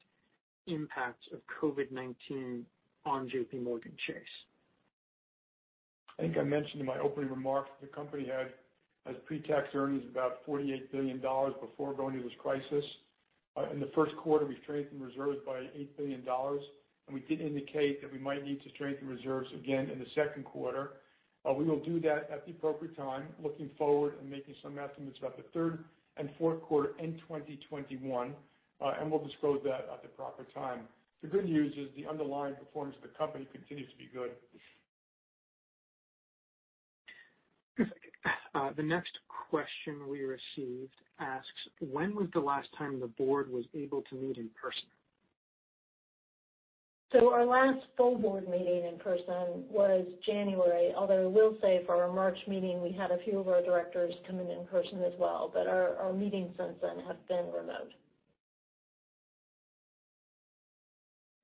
impacts of COVID-19 on JPMorgan Chase? I think I mentioned in my opening remarks that the company had pre-tax earnings of about $48 billion before going into this crisis. In the first quarter, we strengthened reserves by $8 billion, and we did indicate that we might need to strengthen reserves again in the second quarter. We will do that at the appropriate time. Looking forward and making some estimates about the third and fourth quarter and 2021, and we'll disclose that at the proper time. The good news is the underlying performance of the company continues to be good. The next question we received asks, "When was the last time the board was able to meet in person? Our last full board meeting in person was January, although I will say for our March meeting, we had a few of our directors come in in person as well. Our meetings since then have been remote.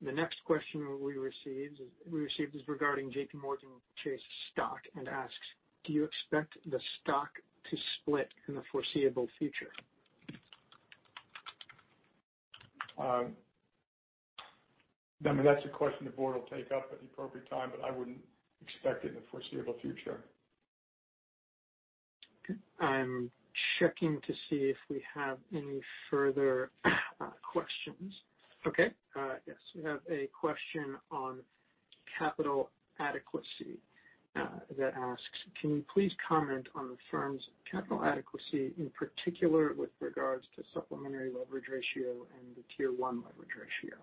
The next question we received is regarding JPMorgan Chase stock and asks, "Do you expect the stock to split in the foreseeable future? I mean, that's a question the board will take up at the appropriate time, but I wouldn't expect it in the foreseeable future. I'm checking to see if we have any further questions. Okay. Yes, we have a question on capital adequacy that asks, "Can you please comment on the firm's capital adequacy, in particular with regards to supplementary leverage ratio and the Tier 1 leverage ratio?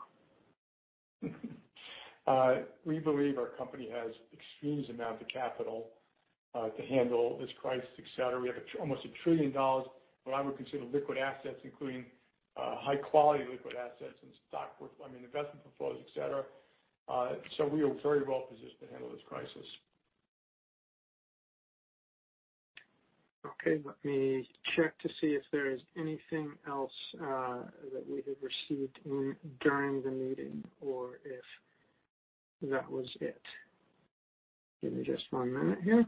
We believe our company has extreme amount of capital to handle this crisis, et cetera. We have almost $1 trillion of what I would consider liquid assets, including high-quality liquid assets and investment portfolios, et cetera. We are very well-positioned to handle this crisis. Okay, let me check to see if there is anything else that we have received during the meeting or if that was it. Give me just one minute here.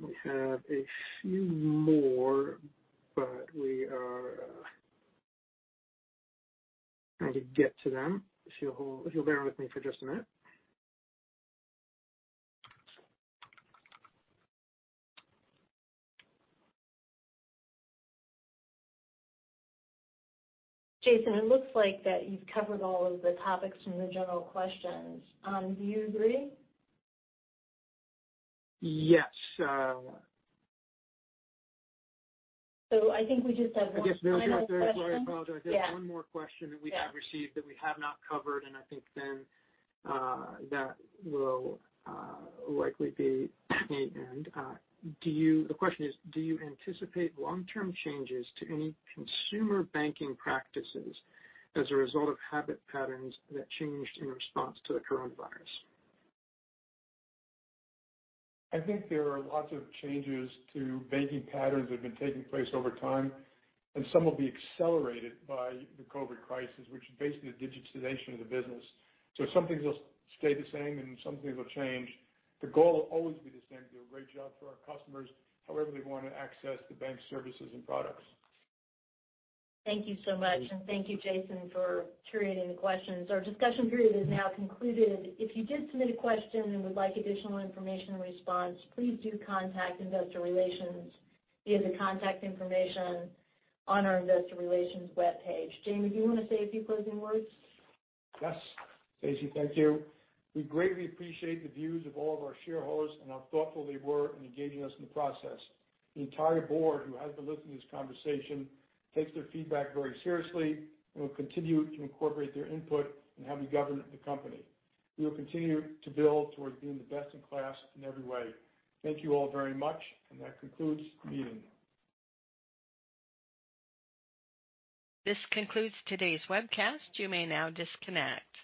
We have a few more, but we are trying to get to them. If you'll bear with me for just a minute. Jason, it looks like that you've covered all of the topics from the general questions. Do you agree? Yes. I think we just have one final question. I guess we are not there quite, Paula. I just have one more question that we have received that we have not covered. I think then that will likely be the end. The question is, do you anticipate long-term changes to any consumer banking practices as a result of habit patterns that changed in response to the coronavirus? I think there are lots of changes to banking patterns that have been taking place over time, and some will be accelerated by the COVID-19 crisis, which is basically the digitization of the business. Some things will stay the same and some things will change. The goal will always be the same, do a great job for our customers, however they want to access the bank's services and products. Thank you so much, thank you, Jason, for triaging the questions. Our discussion period is now concluded. If you did submit a question and would like additional information in response, please do contact investor relations via the contact information on our investor relations webpage. Jamie, do you want to say a few closing words? Yes. Stacey, thank you. We greatly appreciate the views of all of our shareholders and how thoughtful they were in engaging us in the process. The entire board, who has been listening to this conversation, takes their feedback very seriously and will continue to incorporate their input in how we govern the company. We will continue to build towards being the best in class in every way. Thank you all very much, and that concludes the meeting. This concludes today's webcast. You may now disconnect.